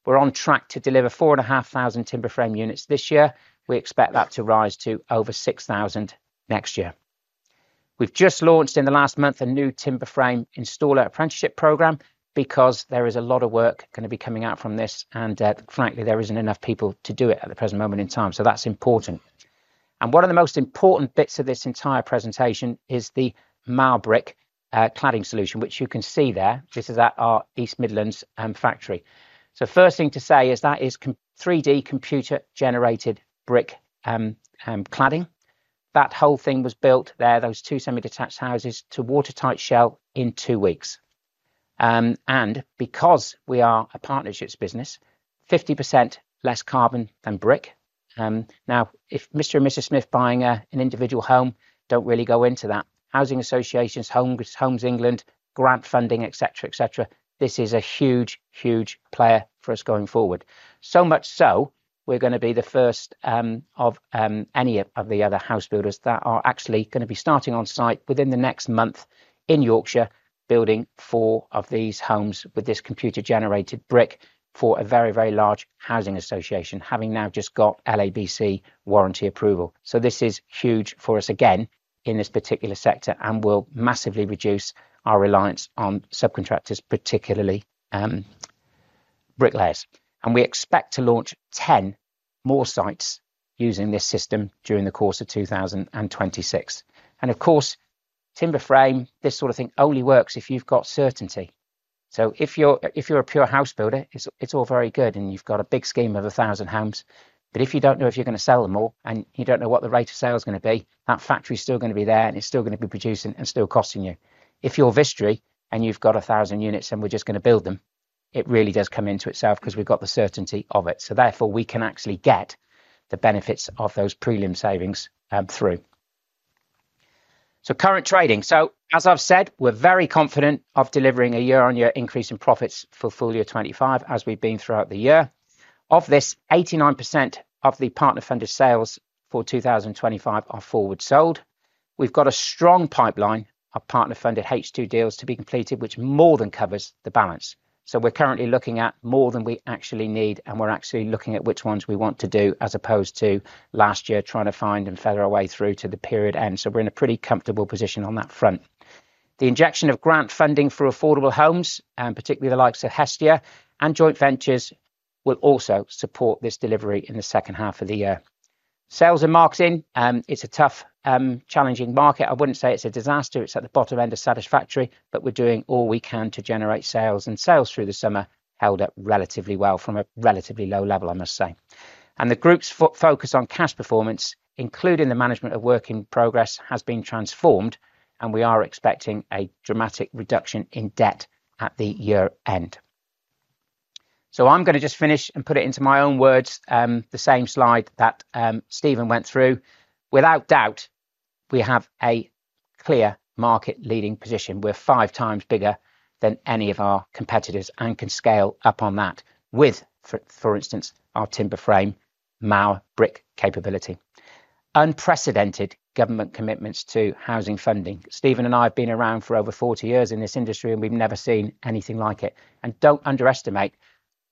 We're on track to deliver 4,500 timber frame units this year. We expect that to rise to over 6,000 next year. We've just launched in the last month a new timber frame installer apprenticeship program because there is a lot of work going to be coming out from this, and frankly, there isn't enough people to do it at the present moment in time. That's important. One of the most important bits of this entire presentation is the MauBrick cladding solution, which you can see there. This is at our East Midlands factory. First thing to say is that is 3D computer-generated brick cladding. That whole thing was built there, those two semi-detached houses, to watertight shell in two weeks. Because we are a partnerships business, 50% less carbon than brick. If Mr. and Mrs. Smith are buying an individual home, don't really go into that. Housing associations, Homes England, grant funding, etc., etc., this is a huge, huge player for us going forward. So much so, we're going to be the first of any of the other house builders that are actually going to be starting on site within the next month in Yorkshire, building four of these homes with this computer-generated brick for a very, very large housing association, having now just got LABC warranty approval. This is huge for us again in this particular sector and will massively reduce our reliance on subcontractors, particularly bricklayers. We expect to launch 10 more sites using this system during the course of 2026. Of course, timber frame, this sort of thing only works if you've got certainty. If you're a pure house builder, it's all very good and you've got a big scheme of 1,000 homes. If you don't know if you're going to sell them all and you don't know what the rate of sale is going to be, that factory is still going to be there and it's still going to be producing and still costing you. If you're Vistry and you've got 1,000 units and we're just going to build them, it really does come into itself because we've got the certainty of it. Therefore, we can actually get the benefits of those premium savings through. Current trading. As I've said, we're very confident of delivering a year-on-year increase in profits for full year 2025, as we've been throughout the year. Of this, 89% of the partner-funded sales for 2025 are forward sold. We've got a strong pipeline of partner-funded H2 deals to be completed, which more than covers the balance. We're currently looking at more than we actually need and we're actually looking at which ones we want to do as opposed to last year trying to find and feather our way through to the period end. We're in a pretty comfortable position on that front. The injection of grant funding for affordable homes, particularly the likes of Hestia and joint ventures, will also support this delivery in the second half of the year. Sales and marketing, it's a tough, challenging market. I wouldn't say it's a disaster. It's at the bottom end of satisfactory, but we're doing all we can to generate sales and sales through the summer held up relatively well from a relatively low level, I must say. The group's focus on cash performance, including the management of work in progress, has been transformed and we are expecting a dramatic reduction in debt at the year end. I'm going to just finish and put it into my own words, the same slide that Stephen went through. Without doubt, we have a clear market-leading position. We're five times bigger than any of our competitors and can scale up on that with, for instance, our timber frame MauBrick capability. Unprecedented government commitments to housing funding. Stephen and I have been around for over 40 years in this industry and we've never seen anything like it. Don't underestimate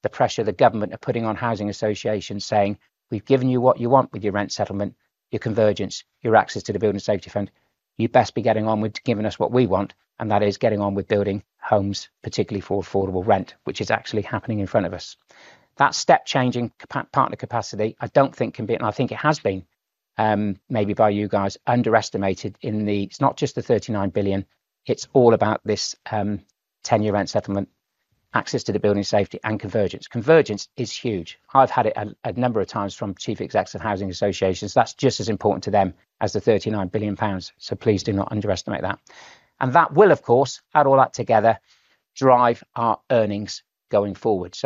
the pressure the government are putting on housing associations, saying, "We've given you what you want with your rent settlement, your convergence, your access to the building safety fund. You best be getting on with giving us what we want, and that is getting on with building homes, particularly for affordable rent," which is actually happening in front of us. That step-changing partner capacity, I don't think can be, and I think it has been, maybe by you guys, underestimated in the, it's not just the 39 billion, it's all about this, tenure rent settlement, access to the building safety, and convergence. Convergence is huge. I've had it a number of times from chief execs of housing associations. That's just as important to them as the 39 billion pounds. Please do not underestimate that. That will, of course, add all that together, drive our earnings going forward.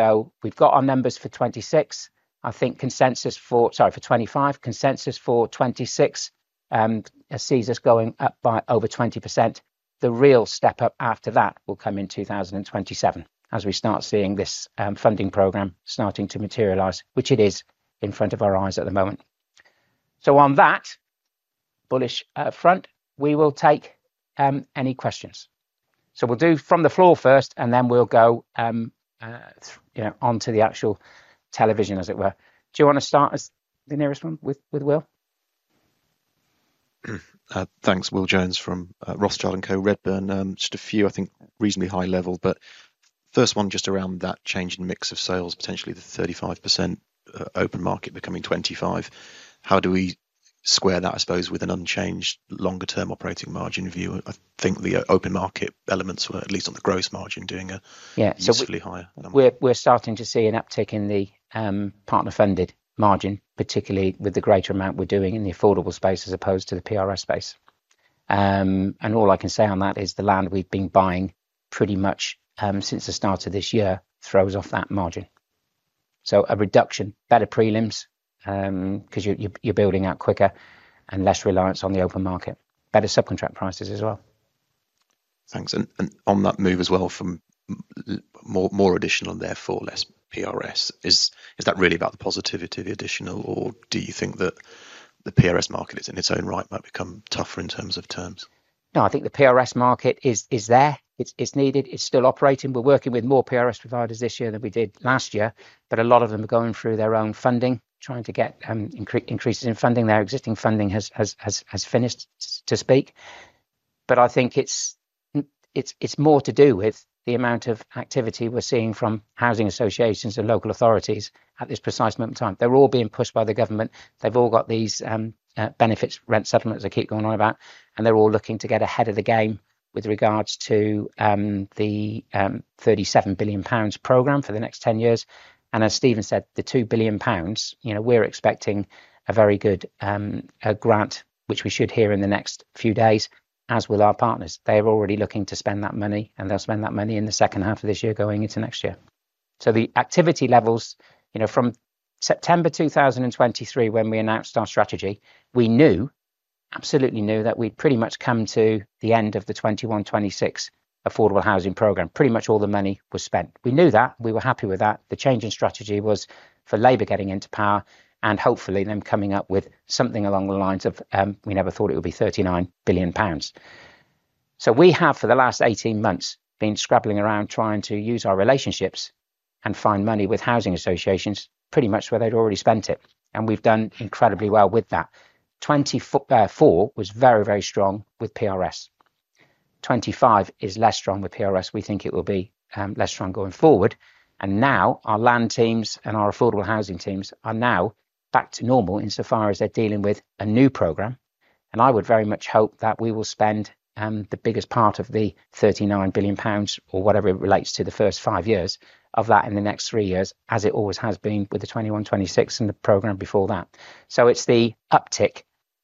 We've got our numbers for 2026. I think consensus for, sorry, for 2025, consensus for 2026, sees us going up by over 20%. The real step up after that will come in 2027 as we start seeing this funding program starting to materialize, which it is in front of our eyes at the moment. On that bullish front, we will take any questions. We'll do from the floor first and then we'll go onto the actual television, as it were. Do you want to start as the nearest one with Will? Thanks, Will Jones from Redburn. Just a few, I think, reasonably high level, but first one just around that change in mix of sales, potentially the 35% open market becoming 25%. How do we square that, I suppose, with an unchanged longer-term operating margin view? I think the open market elements were, at least on the gross margin, doing a relatively higher number. We're starting to see an uptick in the partner-funded margin, particularly with the greater amount we're doing in the affordable space as opposed to the PRS space. All I can say on that is the land we've been buying pretty much since the start of this year throws off that margin. A reduction, better prelims, because you're building out quicker and less reliance on the open market, better subcontract prices as well. Thanks. On that move as well from more additional and therefore less PRS, is that really about the positivity of the additional, or do you think that the PRS market in its own right might become tougher in terms of terms? No, I think the PRS market is there. It's needed. It's still operating. We're working with more PRS providers this year than we did last year, but a lot of them are going through their own funding, trying to get increases in funding. Their existing funding has finished, to speak. I think it's more to do with the amount of activity we're seeing from housing associations and local authorities at this precise moment in time. They're all being pushed by the government. They've all got these benefits, rent settlements they keep going on about, and they're all looking to get ahead of the game with regards to the 37 billion pounds program for the next 10 years. As Stephen said, the 2 billion pounds, you know, we're expecting a very good grant, which we should hear in the next few days, as will our partners. They're already looking to spend that money, and they'll spend that money in the second half of this year going into next year. The activity levels, you know, from September 2023, when we announced our strategy, we knew, absolutely knew that we'd pretty much come to the end of the 2021-2026 affordable housing program. Pretty much all the money was spent. We knew that. We were happy with that. The change in strategy was for Labour getting into power and hopefully them coming up with something along the lines of we never thought it would be 39 billion pounds. We have for the last 18 months been scrabbling around trying to use our relationships and find money with housing associations, pretty much where they'd already spent it. We've done incredibly well with that. 2024 was very, very strong with PRS. 2025 is less strong with PRS. We think it will be less strong going forward. Now our land teams and our affordable housing teams are now back to normal insofar as they're dealing with a new program. I would very much hope that we will spend the biggest part of the 39 billion pounds or whatever it relates to the first five years of that in the next three years, as it always has been with the 2021-2026 and the program before that. It's the uptick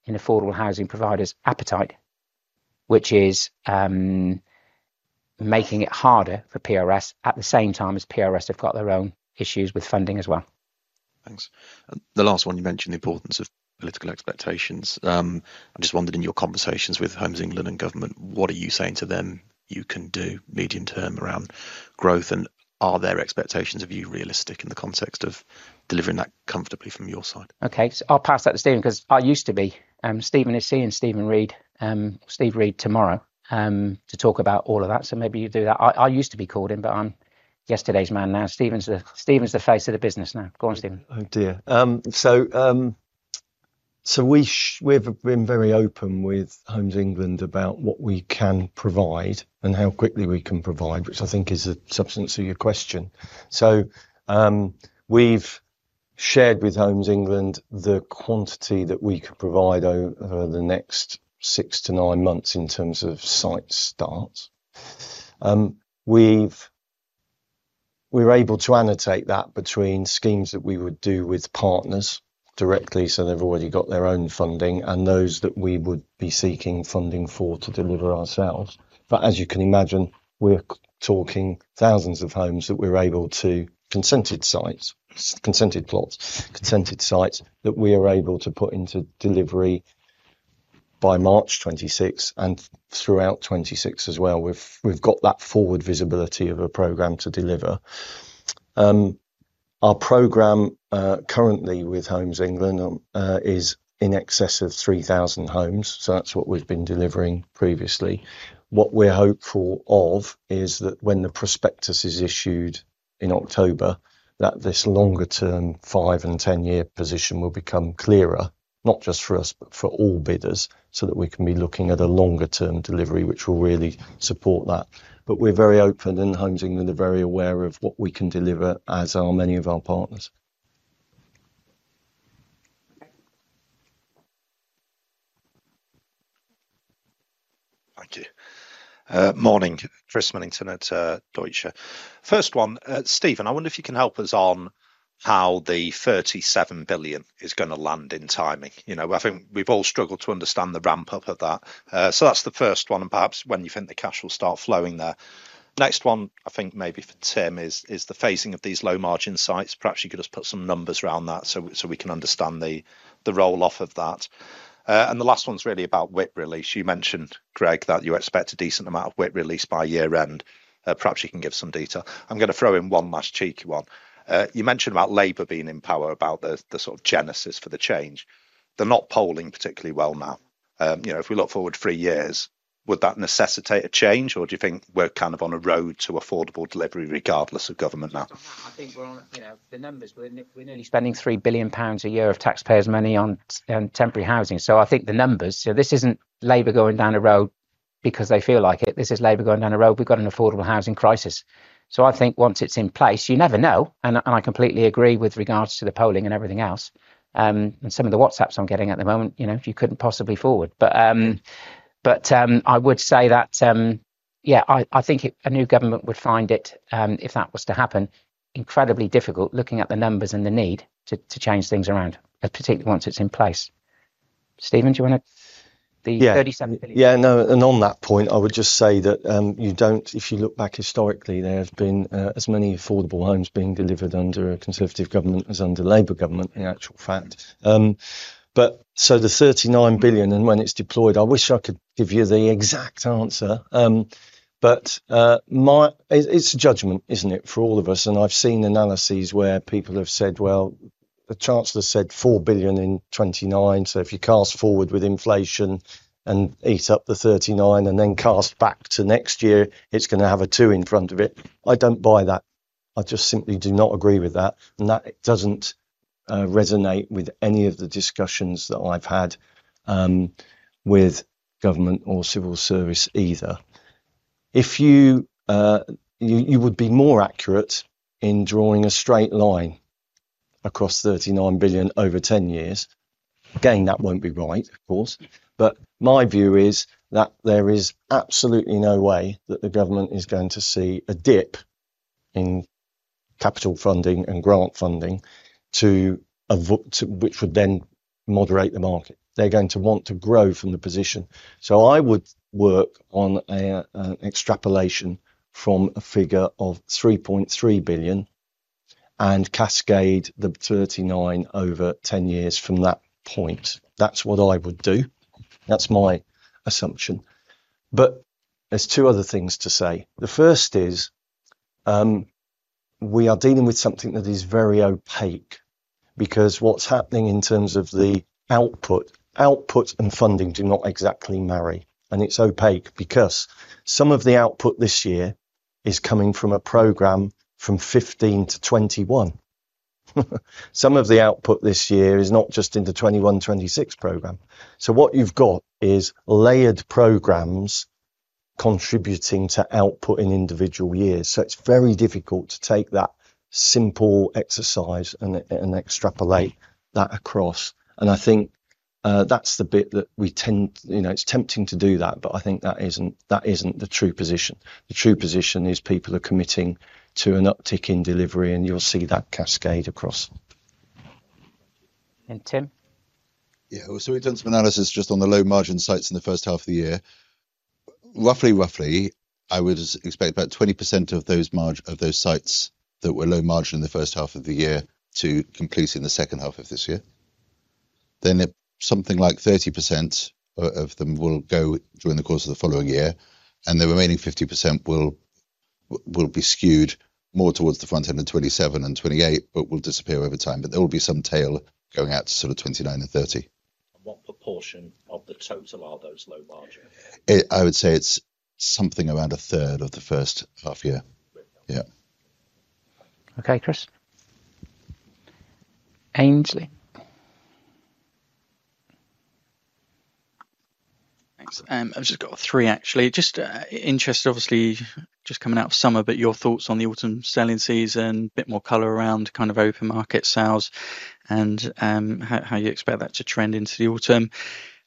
in affordable housing providers' appetite, which is making it harder for PRS at the same time as PRS have got their own issues with funding as well. Thanks. The last one you mentioned, the importance of political expectations. I just wondered in your conversations with Homes England and government, what are you saying to them you can do medium term around growth, and are their expectations of you realistic in the context of delivering that comfortably from your side? Okay, I'll pass that to Stephen because I used to be. Stephen is seeing Stephen tomorrow, to talk about all of that. Maybe you do that. I used to be called him, but I'm yesterday's man now. Stephen's the face of the business now. Go on, Stephen. We've been very open with Homes England about what we can provide and how quickly we can provide, which I think is a substance to your question. We've shared with Homes England the quantity that we could provide over the next 6 months-9 months in terms of site starts. We're able to annotate that between schemes that we would do with partners directly, so they've already got their own funding, and those that we would be seeking funding for to deliver ourselves. As you can imagine, we're talking thousands of homes that we're able to, consented sites, consented plots, consented sites that we are able to put into delivery by March 2026 and throughout 2026 as well. We've got that forward visibility of a program to deliver. Our program currently with Homes England is in excess of 3,000 homes, so that's what we've been delivering previously. What we're hopeful of is that when the prospectus is issued in October, this longer-term five and ten-year position will become clearer, not just for us, but for all bidders, so that we can be looking at a longer-term delivery which will really support that. We're very open and Homes England are very aware of what we can deliver as are many of our partners. Thank you. Morning, Chris Millington at Deutsche Bank. First one, Stephen, I wonder if you can help us on how the 37 billion is going to land in timing. I think we've all struggled to understand the ramp-up of that. That's the first one, and perhaps when you think the cash will start flowing there. Next one, I think maybe for Tim, is the phasing of these low margin sites. Perhaps you could just put some numbers around that so we can understand the roll-off of that. The last one's really about WIP release. You mentioned, Greg, that you expect a decent amount of WIP release by year-end. Perhaps you can give some detail. I'm going to throw in one last cheeky one. You mentioned about Labour being in power, about the sort of genesis for the change. They're not polling particularly well now. If we look forward three years, would that necessitate a change, or do you think we're kind of on a road to affordable delivery regardless of government now? I think we're on the numbers. We're nearly spending 3 billion pounds a year of taxpayers' money on temporary housing. I think the numbers, this isn't Labour going down a road because they feel like it. This is Labour going down a road. We've got an affordable housing crisis. I think once it's in place, you never know. I completely agree with regards to the polling and everything else. Some of the WhatsApps I'm getting at the moment, you couldn't possibly forward. I would say that, yeah, I think a new government would find it, if that was to happen, incredibly difficult looking at the numbers and the need to change things around, particularly once it's in place. Stephen, do you want to, the 37 billion? Yeah, no, on that point, I would just say that you don't, if you look back historically, there have been as many affordable homes being delivered under a Conservative government as under a Labour government, in actual fact. The 39 billion, and when it's deployed, I wish I could give you the exact answer. It's a judgment, isn't it, for all of us? I've seen analyses where people have said, the Chancellor said 4 billion in 2029. If you cast forward with inflation and ease up the 39 billion and then cast back to next year, it's going to have a two in front of it. I don't buy that. I just simply do not agree with that. That doesn't resonate with any of the discussions that I've had with government or civil service either. You would be more accurate in drawing a straight line across 39 billion over 10 years, again, that won't be right, of course. My view is that there is absolutely no way that the government is going to see a dip in capital funding and grant funding, which would then moderate the market. They're going to want to grow from the position. I would work on an extrapolation from a figure of 3.3 billion and cascade the 39 billion over 10 years from that point. That's what I would do. That's my assumption. There are two other things to say. The first is we are dealing with something that is very opaque because what's happening in terms of the output, output and funding do not exactly marry. It's opaque because some of the output this year is coming from a program from 2015 to 2021. Some of the output this year is not just in the 2021 to 2026 program. What you've got is layered programs contributing to output in individual years. It's very difficult to take that simple exercise and extrapolate that across. I think that's the bit that we tend, you know, it's tempting to do that, but I think that isn't the true position. The true position is people are committing to an uptick in delivery, and you'll see that cascade across. And Tim? I was doing some analysis just on the low margin sites in the first half of the year. Roughly, I would expect about 20% of those sites that were low margin in the first half of the year to complete in the second half of this year. Then something like 30% of them will go during the course of the following year, and the remaining 50% will be skewed more towards the front end of 2027 and 2028, but will disappear over time. There will be some tail going out to sort of 2029 and 2030. What proportion of the total are those low margin? I would say it's something around a third of the first half year. Okay, Chris. Thanks. I've just got three, actually. Just interested, obviously, just coming out of summer, but your thoughts on the autumn selling season, a bit more color around kind of open market sales, and how you expect that to trend into the autumn.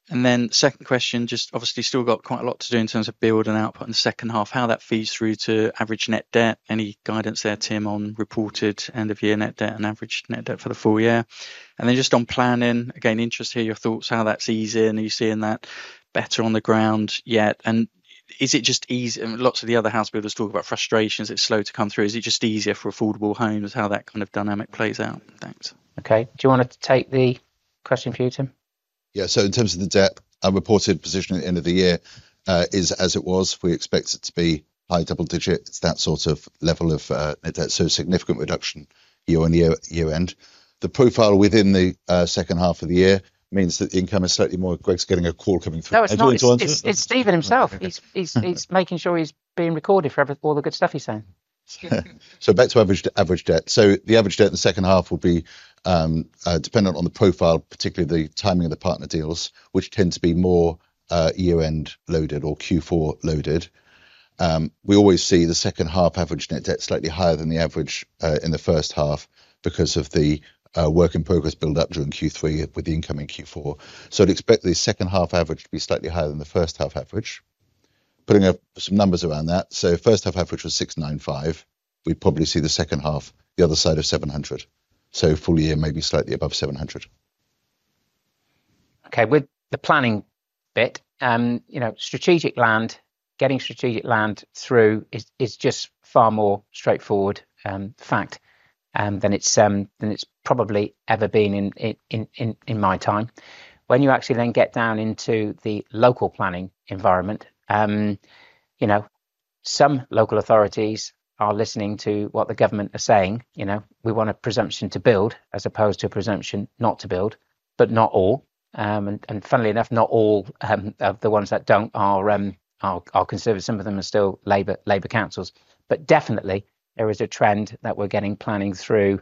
The second question, just obviously still got quite a lot to do in terms of build and output in the second half, how that feeds through to average net debt. Any guidance there, Tim, on reported end-of-year net debt and average net debt for the full year? Just on planning, again, interested to hear your thoughts, how that's easing, are you seeing that better on the ground yet? Is it just easier? Lots of the other house builders talk about frustrations, it's slow to come through. Is it just easier for affordable homes, how that kind of dynamic plays out? Thanks. Okay. Do you want to take the question for you, Tim? Yeah, so in terms of the debt, our reported position at the end of the year is as it was. We expect it to be high double digit, that sort of level of net debt, so a significant reduction year-on-year end. The profile within the second half of the year means that the income is slightly more aggressive, getting a call coming through. No, it's Stephen himself. He's making sure he's being recorded for all the good stuff he's saying. Back to average debt. The average debt in the second half will be dependent on the profile, particularly the timing of the partner deals, which tend to be more year-end loaded or Q4 loaded. We always see the second half average net debt slightly higher than the average in the first half because of the work in progress build-up during Q3 with the income in Q4. I'd expect the second half average to be slightly higher than the first half average. Putting up some numbers around that, first half average was 695 million. We'd probably see the second half the other side of 700 million. Full year may be slightly above 700 million. Okay, with the planning bit, you know, strategic land, getting strategic land through is just far more straightforward, in fact, than it's probably ever been in my time. When you actually then get down into the local planning environment, you know, some local authorities are listening to what the government is saying. We want a presumption to build as opposed to a presumption not to build, but not all. Funnily enough, not all of the ones that don't are Conservative. Some of them are still Labour councils. Definitely, there is a trend that we're getting planning through,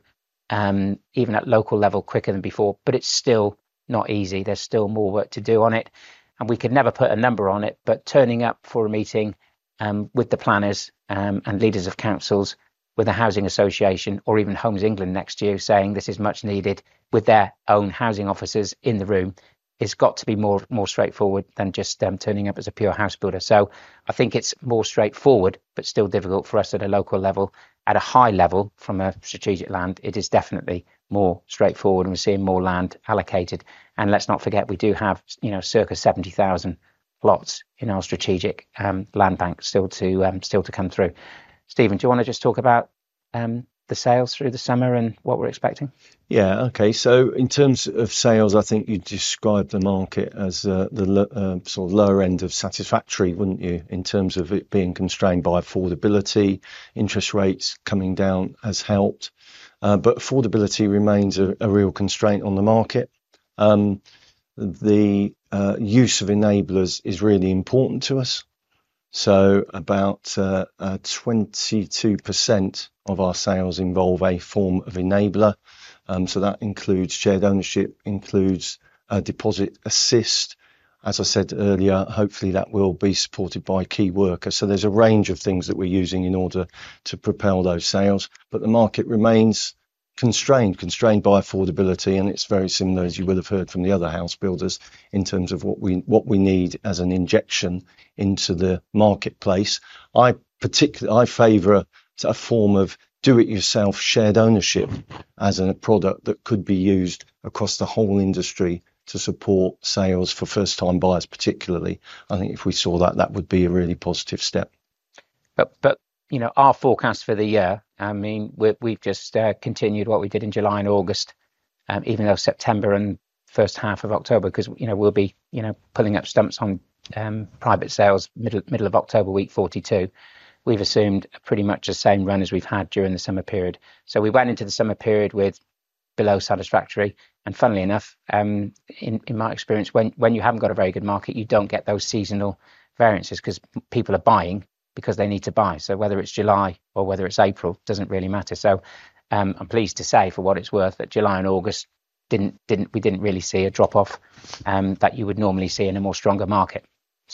even at local level, quicker than before. It's still not easy. There's still more work to do on it. We could never put a number on it, but turning up for a meeting with the planners and leaders of councils with a housing association or even Homes England next year, saying this is much needed with their own housing officers in the room, it's got to be more straightforward than just turning up as a pure house builder. I think it's more straightforward, but still difficult for us at a local level. At a high level, from a strategic land, it is definitely more straightforward. We're seeing more land allocated. Let's not forget, we do have, you know, circa 70,000 lots in our strategic land bank still to, still to come through. Stephen, do you want to just talk about the sales through the summer and what we're expecting? Yeah, okay, so in terms of sales, I think you described the market as the sort of lower end of satisfactory, wouldn't you? In terms of it being constrained by affordability, interest rates coming down has helped, but affordability remains a real constraint on the market. The use of enablers is really important to us. About 22% of our sales involve a form of enabler. That includes shared ownership and includes a deposit assist. As I said earlier, hopefully that will be supported by key workers. There's a range of things that we're using in order to propel those sales. The market remains constrained by affordability, and it's very similar, as you will have heard from the other house builders, in terms of what we need as an injection into the marketplace. I particularly favor a form of do-it-yourself shared ownership as a product that could be used across the whole industry to support sales for first-time buyers particularly. I think if we saw that, that would be a really positive step. Our forecast for the year, I mean, we've just continued what we did in July and August, even though September and first half of October, because we'll be pulling up stumps on private sales, middle of October, week 42. We've assumed pretty much the same run as we've had during the summer period. We went into the summer period with below satisfactory. Funnily enough, in my experience, when you haven't got a very good market, you don't get those seasonal variances because people are buying because they need to buy. Whether it's July or whether it's April doesn't really matter. I'm pleased to say for what it's worth that July and August didn't, we didn't really see a drop-off that you would normally see in a more stronger market.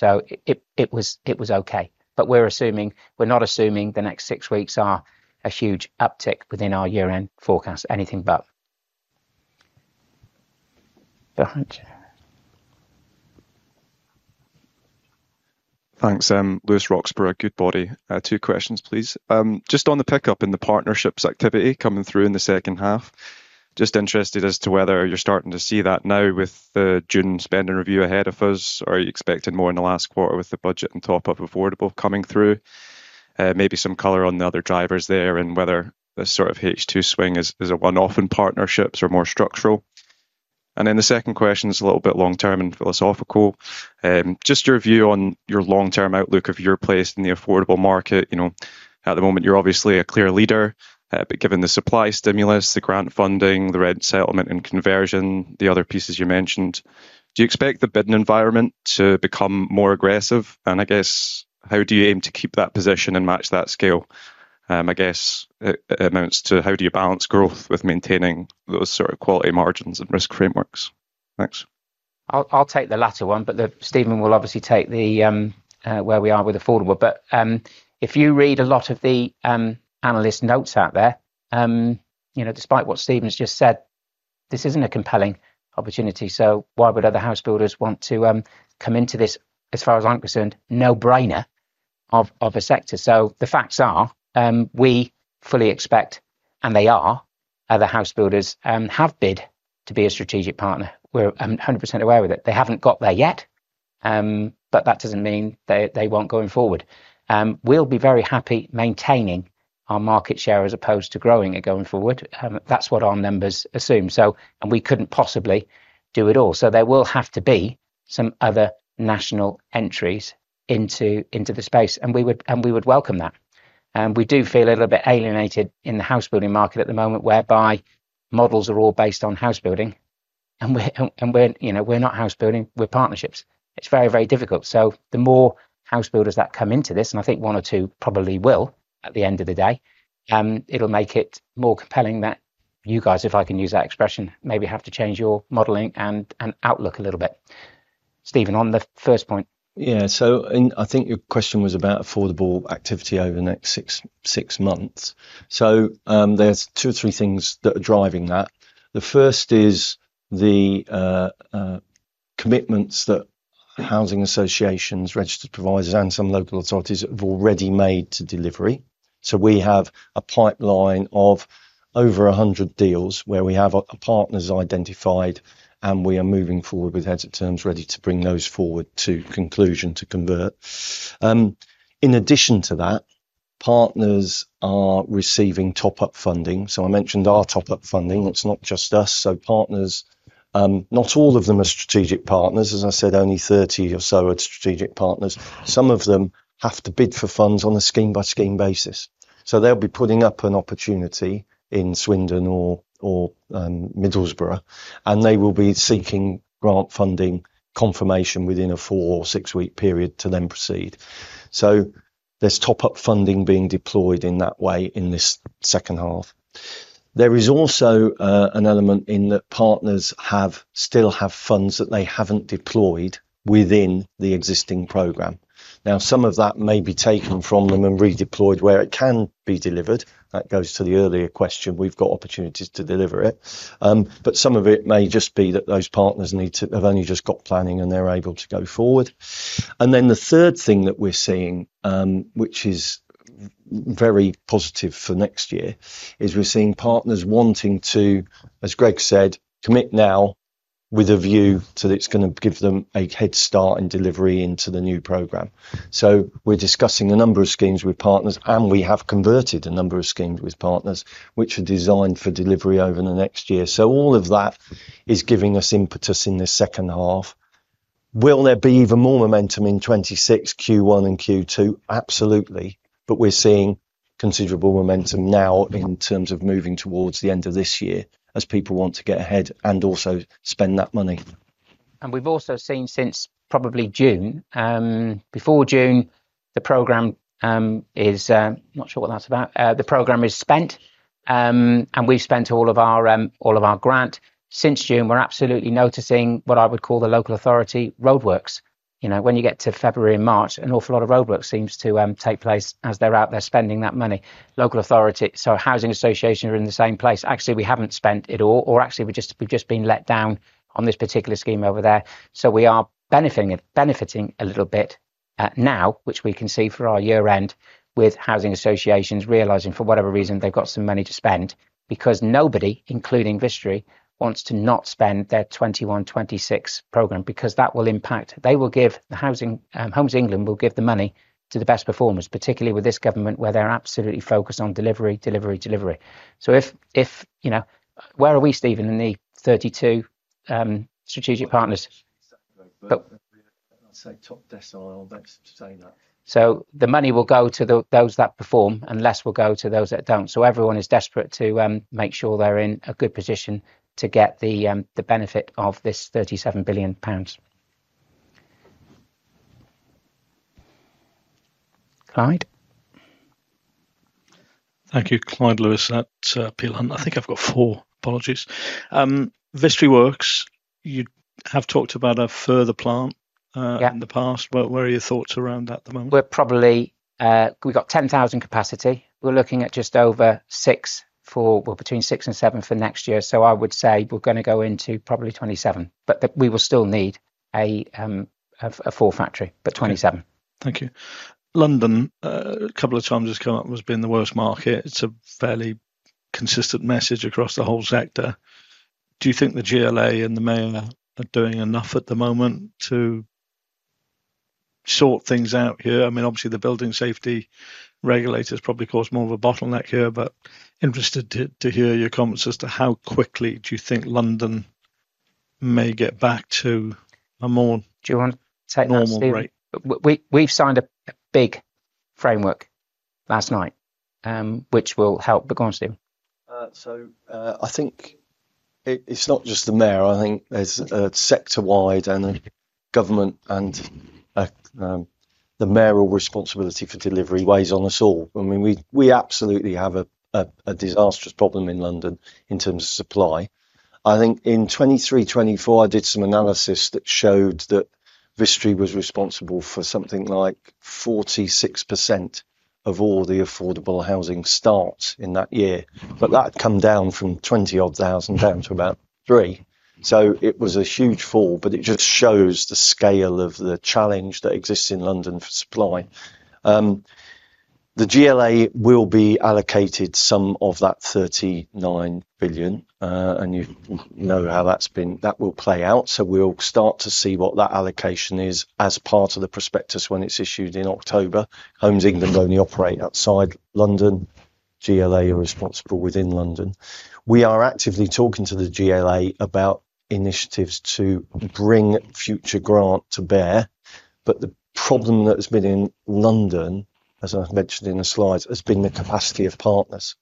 It was okay. We're not assuming the next six weeks are a huge uptick within our year-end forecast, anything but. Gotcha. Thanks, Louis Roxburgh, Goodbody, two questions, please. Just on the pickup in the partnerships activity coming through in the second half, just interested as to whether you're starting to see that now with the June spend and review ahead of us. Are you expecting more in the last quarter with the budget and top-up affordable coming through? Maybe some color on the other drivers there and whether the sort of H2 swing is a one-off in partnerships or more structural. The second question is a little bit long-term and philosophical. Just your view on your long-term outlook of your place in the affordable market. You know, at the moment, you're obviously a clear leader, but given the supply stimulus, the grant funding, the rent settlement, and conversion, the other pieces you mentioned, do you expect the bidden environment to become more aggressive? I guess, how do you aim to keep that position and match that scale? I guess it amounts to how do you balance growth with maintaining those sort of quality margins and risk frameworks? Thanks. I'll take the latter one, Stephen will obviously take where we are with affordable. If you read a lot of the analyst notes out there, despite what Stephen's just said, this isn't a compelling opportunity. Why would other house builders want to come into this? As far as I'm concerned, no brainer of a sector. The facts are, we fully expect, and they are, other house builders have bid to be a strategic partner. We're 100% aware of it. They haven't got there yet. That doesn't mean they won't going forward. We'll be very happy maintaining our market share as opposed to growing it going forward. That's what our numbers assume. We couldn't possibly do it all. There will have to be some other national entries into the space. We would welcome that. We do feel a little bit alienated in the house building market at the moment whereby models are all based on house building. We're not house building. We're partnerships. It's very, very difficult. The more house builders that come into this, and I think one or two probably will at the end of the day, it'll make it more compelling that you guys, if I can use that expression, maybe have to change your modeling and outlook a little bit. Stephen, on the first point. Yeah, I think your question was about affordable activity over the next six months. There are two or three things that are driving that. The first is the commitments that housing associations, registered providers, and some local authorities have already made to delivery. We have a pipeline of over 100 deals where we have a partner identified, and we are moving forward with heads of terms ready to bring those forward to conclusion to convert. In addition to that, partners are receiving top-up funding. I mentioned our top-up funding. It's not just us. Partners, not all of them are strategic partners. As I said, only 30 or so are strategic partners. Some of them have to bid for funds on a scheme-by-scheme basis. They'll be putting up an opportunity in Swindon or Middlesbrough, and they will be seeking grant funding confirmation within a four or six-week period to then proceed. Top-up funding is being deployed in that way in this second half. There is also an element in that partners still have funds that they haven't deployed within the existing program. Some of that may be taken from them and redeployed where it can be delivered. That goes to the earlier question. We've got opportunities to deliver it, but some of it may just be that those partners have only just got planning and they're able to go forward. The third thing that we're seeing, which is very positive for next year, is we're seeing partners wanting to, as Greg said, commit now with a view to that it's going to give them a head start in delivery into the new program. We're discussing a number of schemes with partners, and we have converted a number of schemes with partners which are designed for delivery over the next year. All of that is giving us impetus in this second half. Will there be even more momentum in 2026, Q1, and Q2? Absolutely. We're seeing considerable momentum now in terms of moving towards the end of this year as people want to get ahead and also spend that money. We've also seen since probably June, before June, the program is not sure what that's about. The program is spent, and we've spent all of our grant since June. We're absolutely noticing what I would call the local authority roadworks. You know, when you get to February and March, an awful lot of roadwork seems to take place as they're out there spending that money. Local authorities, housing associations are in the same place. Actually, we haven't spent it all, or actually we've just been let down on this particular scheme over there. We are benefiting a little bit now, which we can see for our year-end with housing associations realizing, for whatever reason, they've got some money to spend because nobody, including Vistry, wants to not spend their 2021-2026 program because that will impact. They will give the housing, Homes England will give the money to the best performers, particularly with this government where they're absolutely focused on delivery, delivery, delivery. If, you know, where are we, Stephen, in the 32 strategic partners? I'll say top decile, don't say that. The money will go to those that perform, and less will go to those that don't. Everyone is desperate to make sure they're in a good position to get the benefit of this 37 billion pounds. Clyde? Thank you, Clyde Lewis, that's appealing. I think I've got four, apologies. Vistry Works, you have talked about a further plant in the past. What are your thoughts around that at the moment? We've got 10,000 capacity. We're looking at just over six, well, between six and seven for next year. I would say we're going to go into probably 2027, but we will still need a full factory by 2027. Thank you. London, a couple of times has come up as being the worst market. It's a fairly consistent message across the whole sector. Do you think the GLA and the Mayor are doing enough at the moment to sort things out here? I mean, obviously the building safety regulators probably cause more of a bottleneck here, but interested to hear your comments as to how quickly do you think London may get back to a more normal? Do you want to take the steam? We've signed a big framework last night, which will help. Go on, Stephen. I think it's not just the Mayor. I think there's a sector-wide and the government and the mayoral responsibility for delivery weighs on us all. I mean, we absolutely have a disastrous problem in London in terms of supply. In 2023-2024, I did some analysis that showed that Vistry was responsible for something like 46% of all the affordable housing starts in that year. That had come down from 20-odd thousand down to about three. It was a huge fall, but it just shows the scale of the challenge that exists in London for supply. The GLA will be allocated some of that 39 billion, and you know how that's been, that will play out. We will start to see what that allocation is as part of the prospectus when it's issued in October. Homes England only operate outside London. GLA are responsible within London. We are actively talking to the GLA about initiatives to bring future grant to bear. The problem that has been in London, as I've mentioned in the slides, has been the capacity of partners.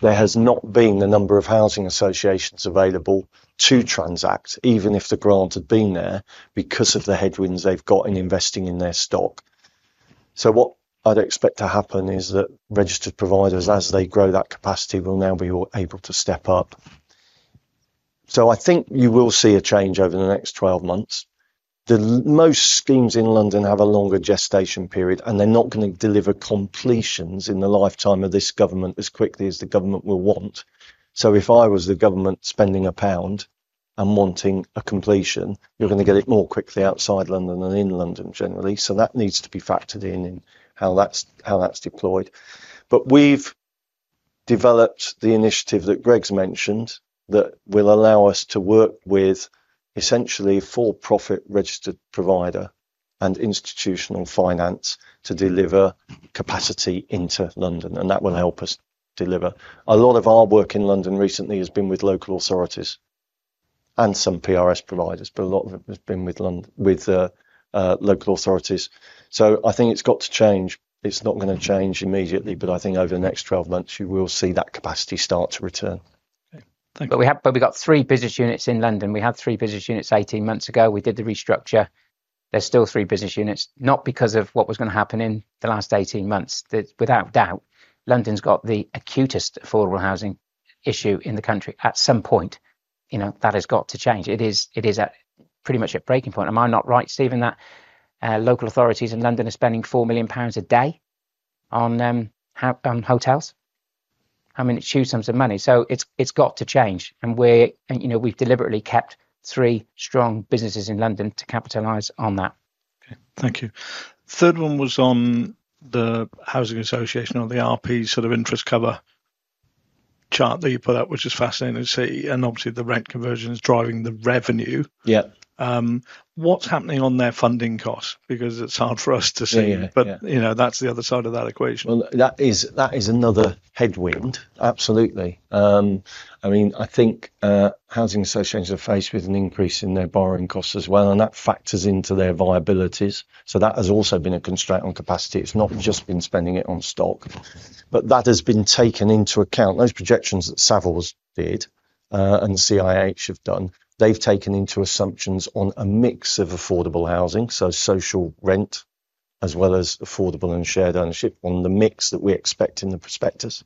There has not been the number of housing associations available to transact, even if the grant had been there, because of the headwinds they've got in investing in their stock. What I'd expect to happen is that registered providers, as they grow that capacity, will now be able to step up. I think you will see a change over the next 12 months. Most schemes in London have a longer gestation period, and they're not going to deliver completions in the lifetime of this government as quickly as the government will want. If I was the government spending a pound and wanting a completion, you're going to get it more quickly outside London than in London generally. That needs to be factored in in how that's deployed. We've developed the initiative that Greg's mentioned that will allow us to work with essentially a for-profit registered provider and institutional finance to deliver capacity into London. That will help us deliver. A lot of our work in London recently has been with local authorities and some PRS providers, but a lot of it has been with local authorities. I think it's got to change. It's not going to change immediately, but I think over the next 12 months you will see that capacity start to return. We have three business units in London. We had three business units 18 months ago. We did the restructure. There's still three business units, not because of what was going to happen in the last 18 months. Without doubt, London's got the acutest affordable housing issue in the country at some point. You know, that has got to change. It is at pretty much a breaking point. Am I not right, Stephen, that local authorities in London are spending 4 million pounds a day on hotels? I mean, it's huge sums of money. It's got to change. We're, you know, we've deliberately kept three strong businesses in London to capitalize on that. Okay, thank you. Third one was on the housing association or the RP sort of interest cover chart that you put out, which is fascinating to see. Obviously the rent conversion is driving the revenue. Yeah. What's happening on their funding costs? Because it's hard for us to see it, but you know, that's the other side of that equation. That is another headwind. Absolutely. I mean, I think housing associations are faced with an increase in their borrowing costs as well, and that factors into their viabilities. That has also been a constraint on capacity. It's not just been spending it on stock, but that has been taken into account. Those projections that Savills did, and the CIH have done, they've taken into assumptions on a mix of affordable housing, so social rent as well as affordable and shared ownership on the mix that we expect in the prospectus.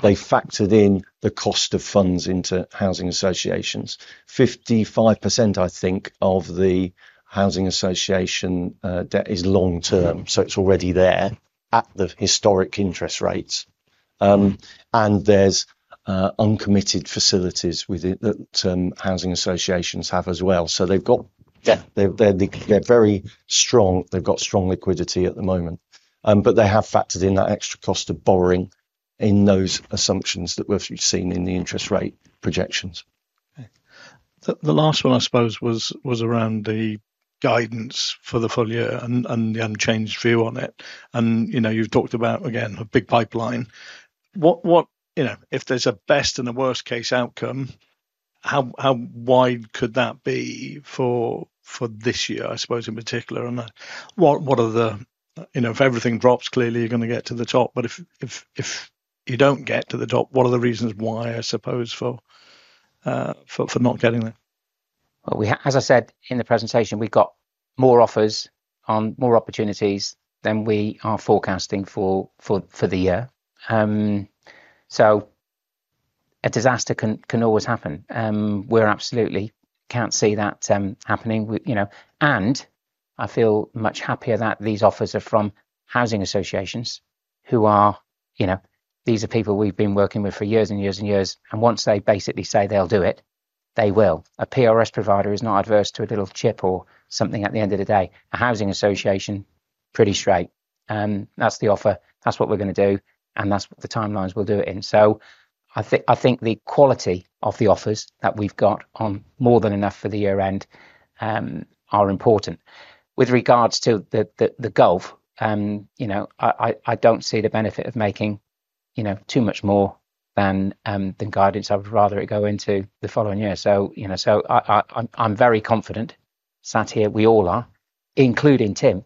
They factored in the cost of funds into housing associations. 55% of the housing association debt is long term. It's already there at the historic interest rates, and there's uncommitted facilities within that housing associations have as well. They've got debt, they're very strong. They've got strong liquidity at the moment, but they have factored in that extra cost of borrowing in those assumptions that we've seen in the interest rate projections. The last one, I suppose, was around the guidance for the full year and the unchanged view on it. You've talked about, again, a big pipeline. If there's a best and a worst case outcome, how wide could that be for this year, I suppose, in particular? What are the, you know, if everything drops, clearly you're going to get to the top. If you don't get to the top, what are the reasons why, I suppose, for not getting there? As I said in the presentation, we've got more offers on more opportunities than we are forecasting for the year. A disaster can always happen. We absolutely can't see that happening. I feel much happier that these offers are from housing associations who are people we've been working with for years and years and years. Once they basically say they'll do it, they will. A PRS provider is not adverse to a little chip or something at the end of the day. A housing association, pretty straight. That's the offer. That's what we're going to do. That's what the timelines we'll do it in. I think the quality of the offers that we've got on more than enough for the year end are important. With regards to the GOV, I don't see the benefit of making too much more than guidance. I would rather it go into the following year. I'm very confident, Satia, we all are, including Tim,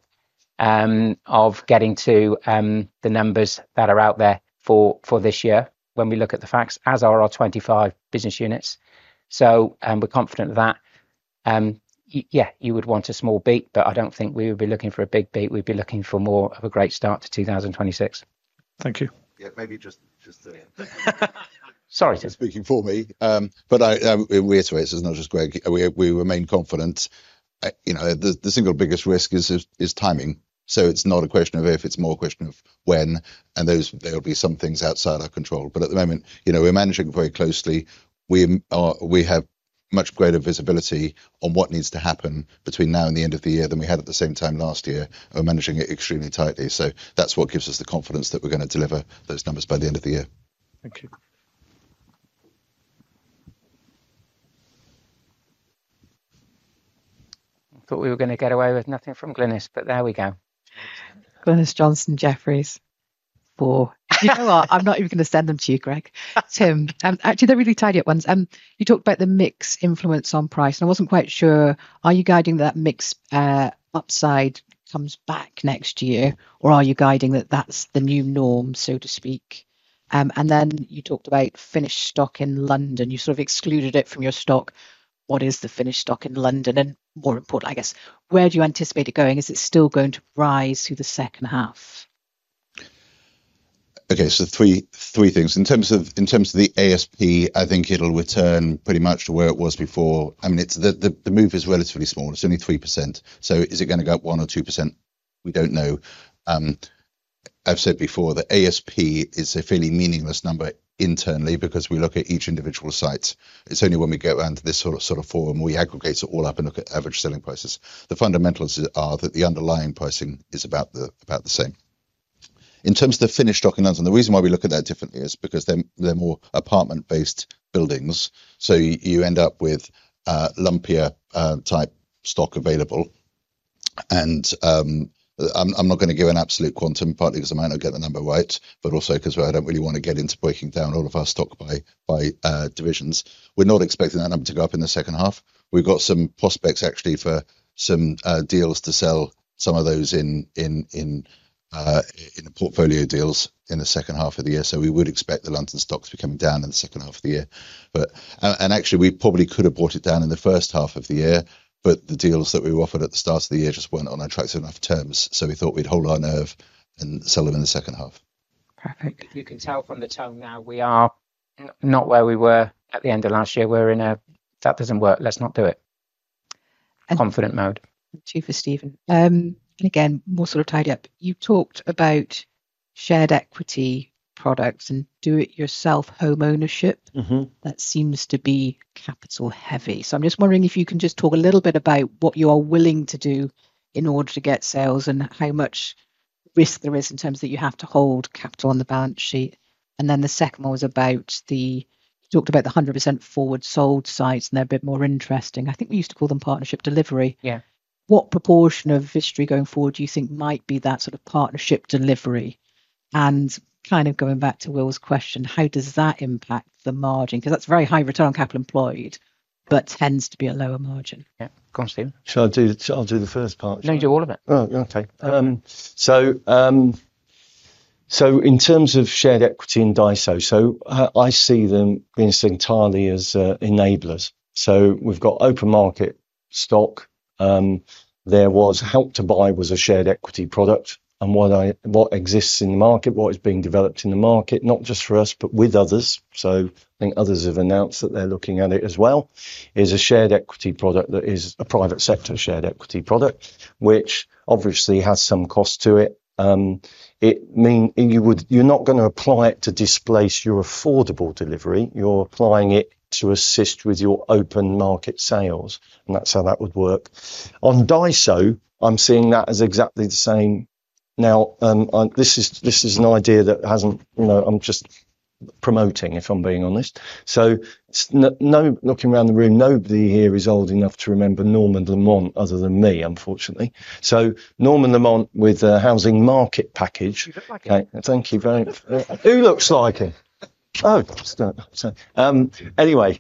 of getting to the numbers that are out there for this year when we look at the facts, as are our 25 business units. We're confident of that. You would want a small beat, but I don't think we would be looking for a big beat. We'd be looking for more of a great start to 2026. Thank you. Yeah, maybe just to, sorry, just speaking for me. I, we iterate, isn't it? Just Greg, we remain confident. You know, the single biggest risk is timing. It's not a question of if, it's more a question of when. There'll be some things outside our control. At the moment, we're managing very closely. We have much greater visibility on what needs to happen between now and the end of the year than we had at the same time last year, and we're managing it extremely tightly. That's what gives us the confidence that we're going to deliver those numbers by the end of the year. Thank you. I thought we were going to get away with nothing from Glynis, but there we go. Glynis Johnson Jeffries. Oh, you know what? I'm not even going to send them to you, Greg. Tim, actually, they're really tight ones. You talked about the mix influence on price. I wasn't quite sure, are you guiding that mix upside comes back next year, or are you guiding that that's the new norm, so to speak? You talked about finished stock in London. You sort of excluded it from your stock. What is the finished stock in London, and more important, I guess, where do you anticipate it going? Is it still going to rise through the second half? Okay, so three things. In terms of the ASP, I think it'll return pretty much to where it was before. I mean, the move is relatively small. It's only 3%. Is it going to go up 1% or 2%? We don't know. I've said before that ASP is a fairly meaningless number internally because we look at each individual site. It's only when we go around to this sort of forum where we aggregate it all up and look at average selling prices. The fundamentals are that the underlying pricing is about the same. In terms of the finished stock in London, the reason why we look at that differently is because they're more apartment-based buildings. You end up with a lumpier type stock available. I'm not going to give an absolute quantum, partly because I might not get the number right, but also because I don't really want to get into breaking down all of our stock by divisions. We're not expecting that number to go up in the second half. We've got some prospects actually for some deals to sell some of those in the portfolio deals in the second half of the year. We would expect the London stocks to be coming down in the second half of the year. Actually, we probably could have brought it down in the first half of the year, but the deals that we were offered at the start of the year just weren't on attractive enough terms. We thought we'd hold our nerve and sell them in the second half. Perfect. You can tell from the tone now we are not where we were at the end of last year. We're in a, that doesn't work. Let's not do it. Confident mode. Chief of Stephen. Again, more sort of tied up. You talked about shared equity products and do-it-yourself home ownership. That seems to be capital heavy. I'm just wondering if you can talk a little bit about what you are willing to do in order to get sales and how much risk there is in terms that you have to hold capital on the balance sheet. The second one was about the, you talked about the 100% forward sold sites and they're a bit more interesting. I think we used to call them partnership delivery. Yeah. What proportion of Vistry going forward do you think might be that sort of partnership delivery? Going back to Will's question, how does that impact the margin? Because that's very high return on capital employed, but tends to be a lower margin. Yeah, go on, Stephen. Should I do the first part? No, you're all of it. Oh, okay. In terms of shared equity and DISO, I see them being seen entirely as enablers. We've got open market stock. There was Help to Buy, which was a shared equity product. What exists in the market, what is being developed in the market, not just for us but with others—I think others have announced that they're looking at it as well—is a shared equity product that is a private sector shared equity product, which obviously has some cost to it. It means you're not going to apply it to displace your affordable delivery. You're applying it to assist with your open market sales, and that's how that would work. On DISO, I'm seeing that as exactly the same. This is an idea that hasn't, you know, I'm just promoting if I'm being honest. Looking around the room, nobody here is old enough to remember Norman Lamont other than me, unfortunately. Norman Lamont with a housing market package. Thank you very much. Who looks like him? Oh, I'm sorry. Anyway,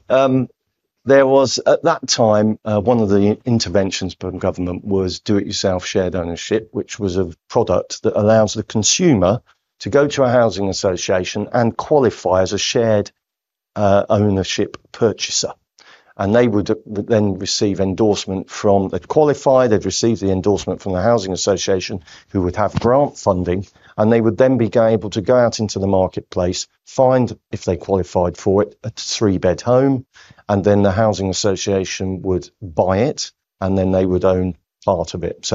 at that time, one of the interventions from government was do-it-yourself shared ownership, which was a product that allows the consumer to go to a housing association and qualify as a shared ownership purchaser. They would then receive endorsement from—they'd qualify, they'd receive the endorsement from the housing association who would have grant funding, and they would then be able to go out into the marketplace, find, if they qualified for it, a three-bed home, and then the housing association would buy it, and then they would own part of it.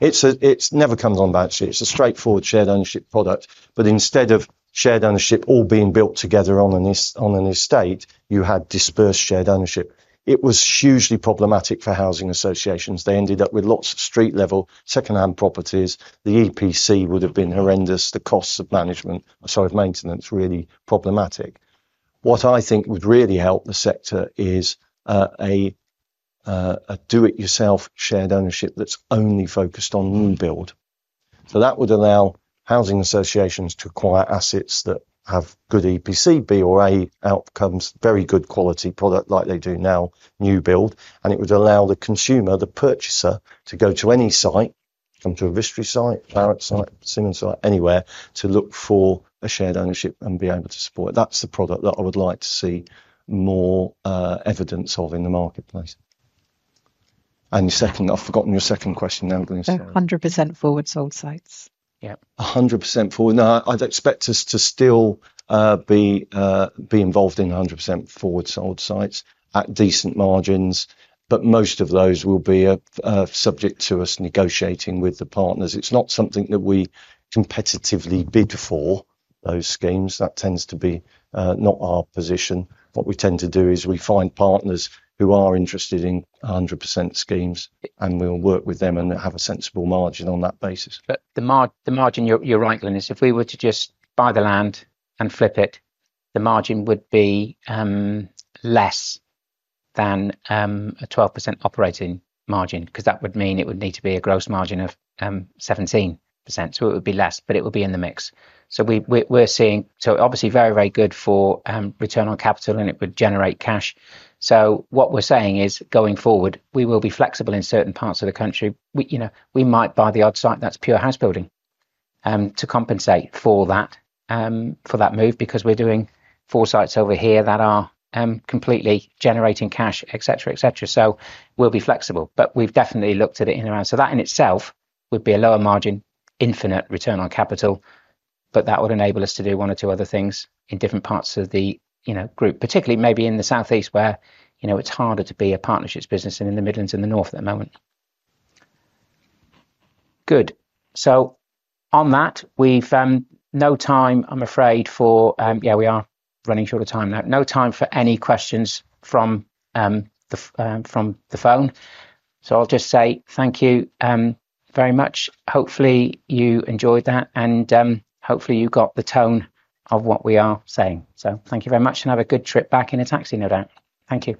It's a straightforward shared ownership product, but instead of shared ownership all being built together on an estate, you had dispersed shared ownership. It was hugely problematic for housing associations. They ended up with lots of street-level second-hand properties. The EPC would have been horrendous. The costs of management, sorry, of maintenance, really problematic. What I think would really help the sector is a do-it-yourself shared ownership that's only focused on new build. That would allow housing associations to acquire assets that have good EPC, B or A outcomes, very good quality product like they do now, new build. It would allow the consumer, the purchaser, to go to any site, come to a Vistry site, Barratt site, Simmons site, anywhere, to look for a shared ownership and be able to support it. That's the product that I would like to see more evidence of in the marketplace. I've forgotten your second question now. 100% forward-sold sites. Yeah, 100% forward. I'd expect us to still be involved in 100% forward-sold sites at decent margins, but most of those will be subject to us negotiating with the partners. It's not something that we competitively bid for, those schemes. That tends to be not our position. What we tend to do is we find partners who are interested in 100% schemes, and we'll work with them and have a sensible margin on that basis. The margin, you're right, Glynis, if we were to just buy the land and flip it, the margin would be less than a 12% operating margin because that would mean it would need to be a gross margin of 17%. It would be less, but it would be in the mix. We're seeing, obviously, very, very good for return on capital and it would generate cash. What we're saying is going forward, we will be flexible in certain parts of the country. We might buy the odd site that's pure house building to compensate for that move because we're doing four sites over here that are completely generating cash, et cetera, et cetera. We'll be flexible, but we've definitely looked at it in the round. That in itself would be a lower margin, infinite return on capital, but that would enable us to do one or two other things in different parts of the group, particularly maybe in the Southeast where it's harder to be a partnerships business than in the Midlands and the North at the moment. Good. On that, we have no time, I'm afraid, for, yeah, we are running short of time. No time for any questions from the phone. I'll just say thank you very much. Hopefully you enjoyed that and hopefully you got the tone of what we are saying. Thank you very much and have a good trip back in a taxi, no doubt. Thank you.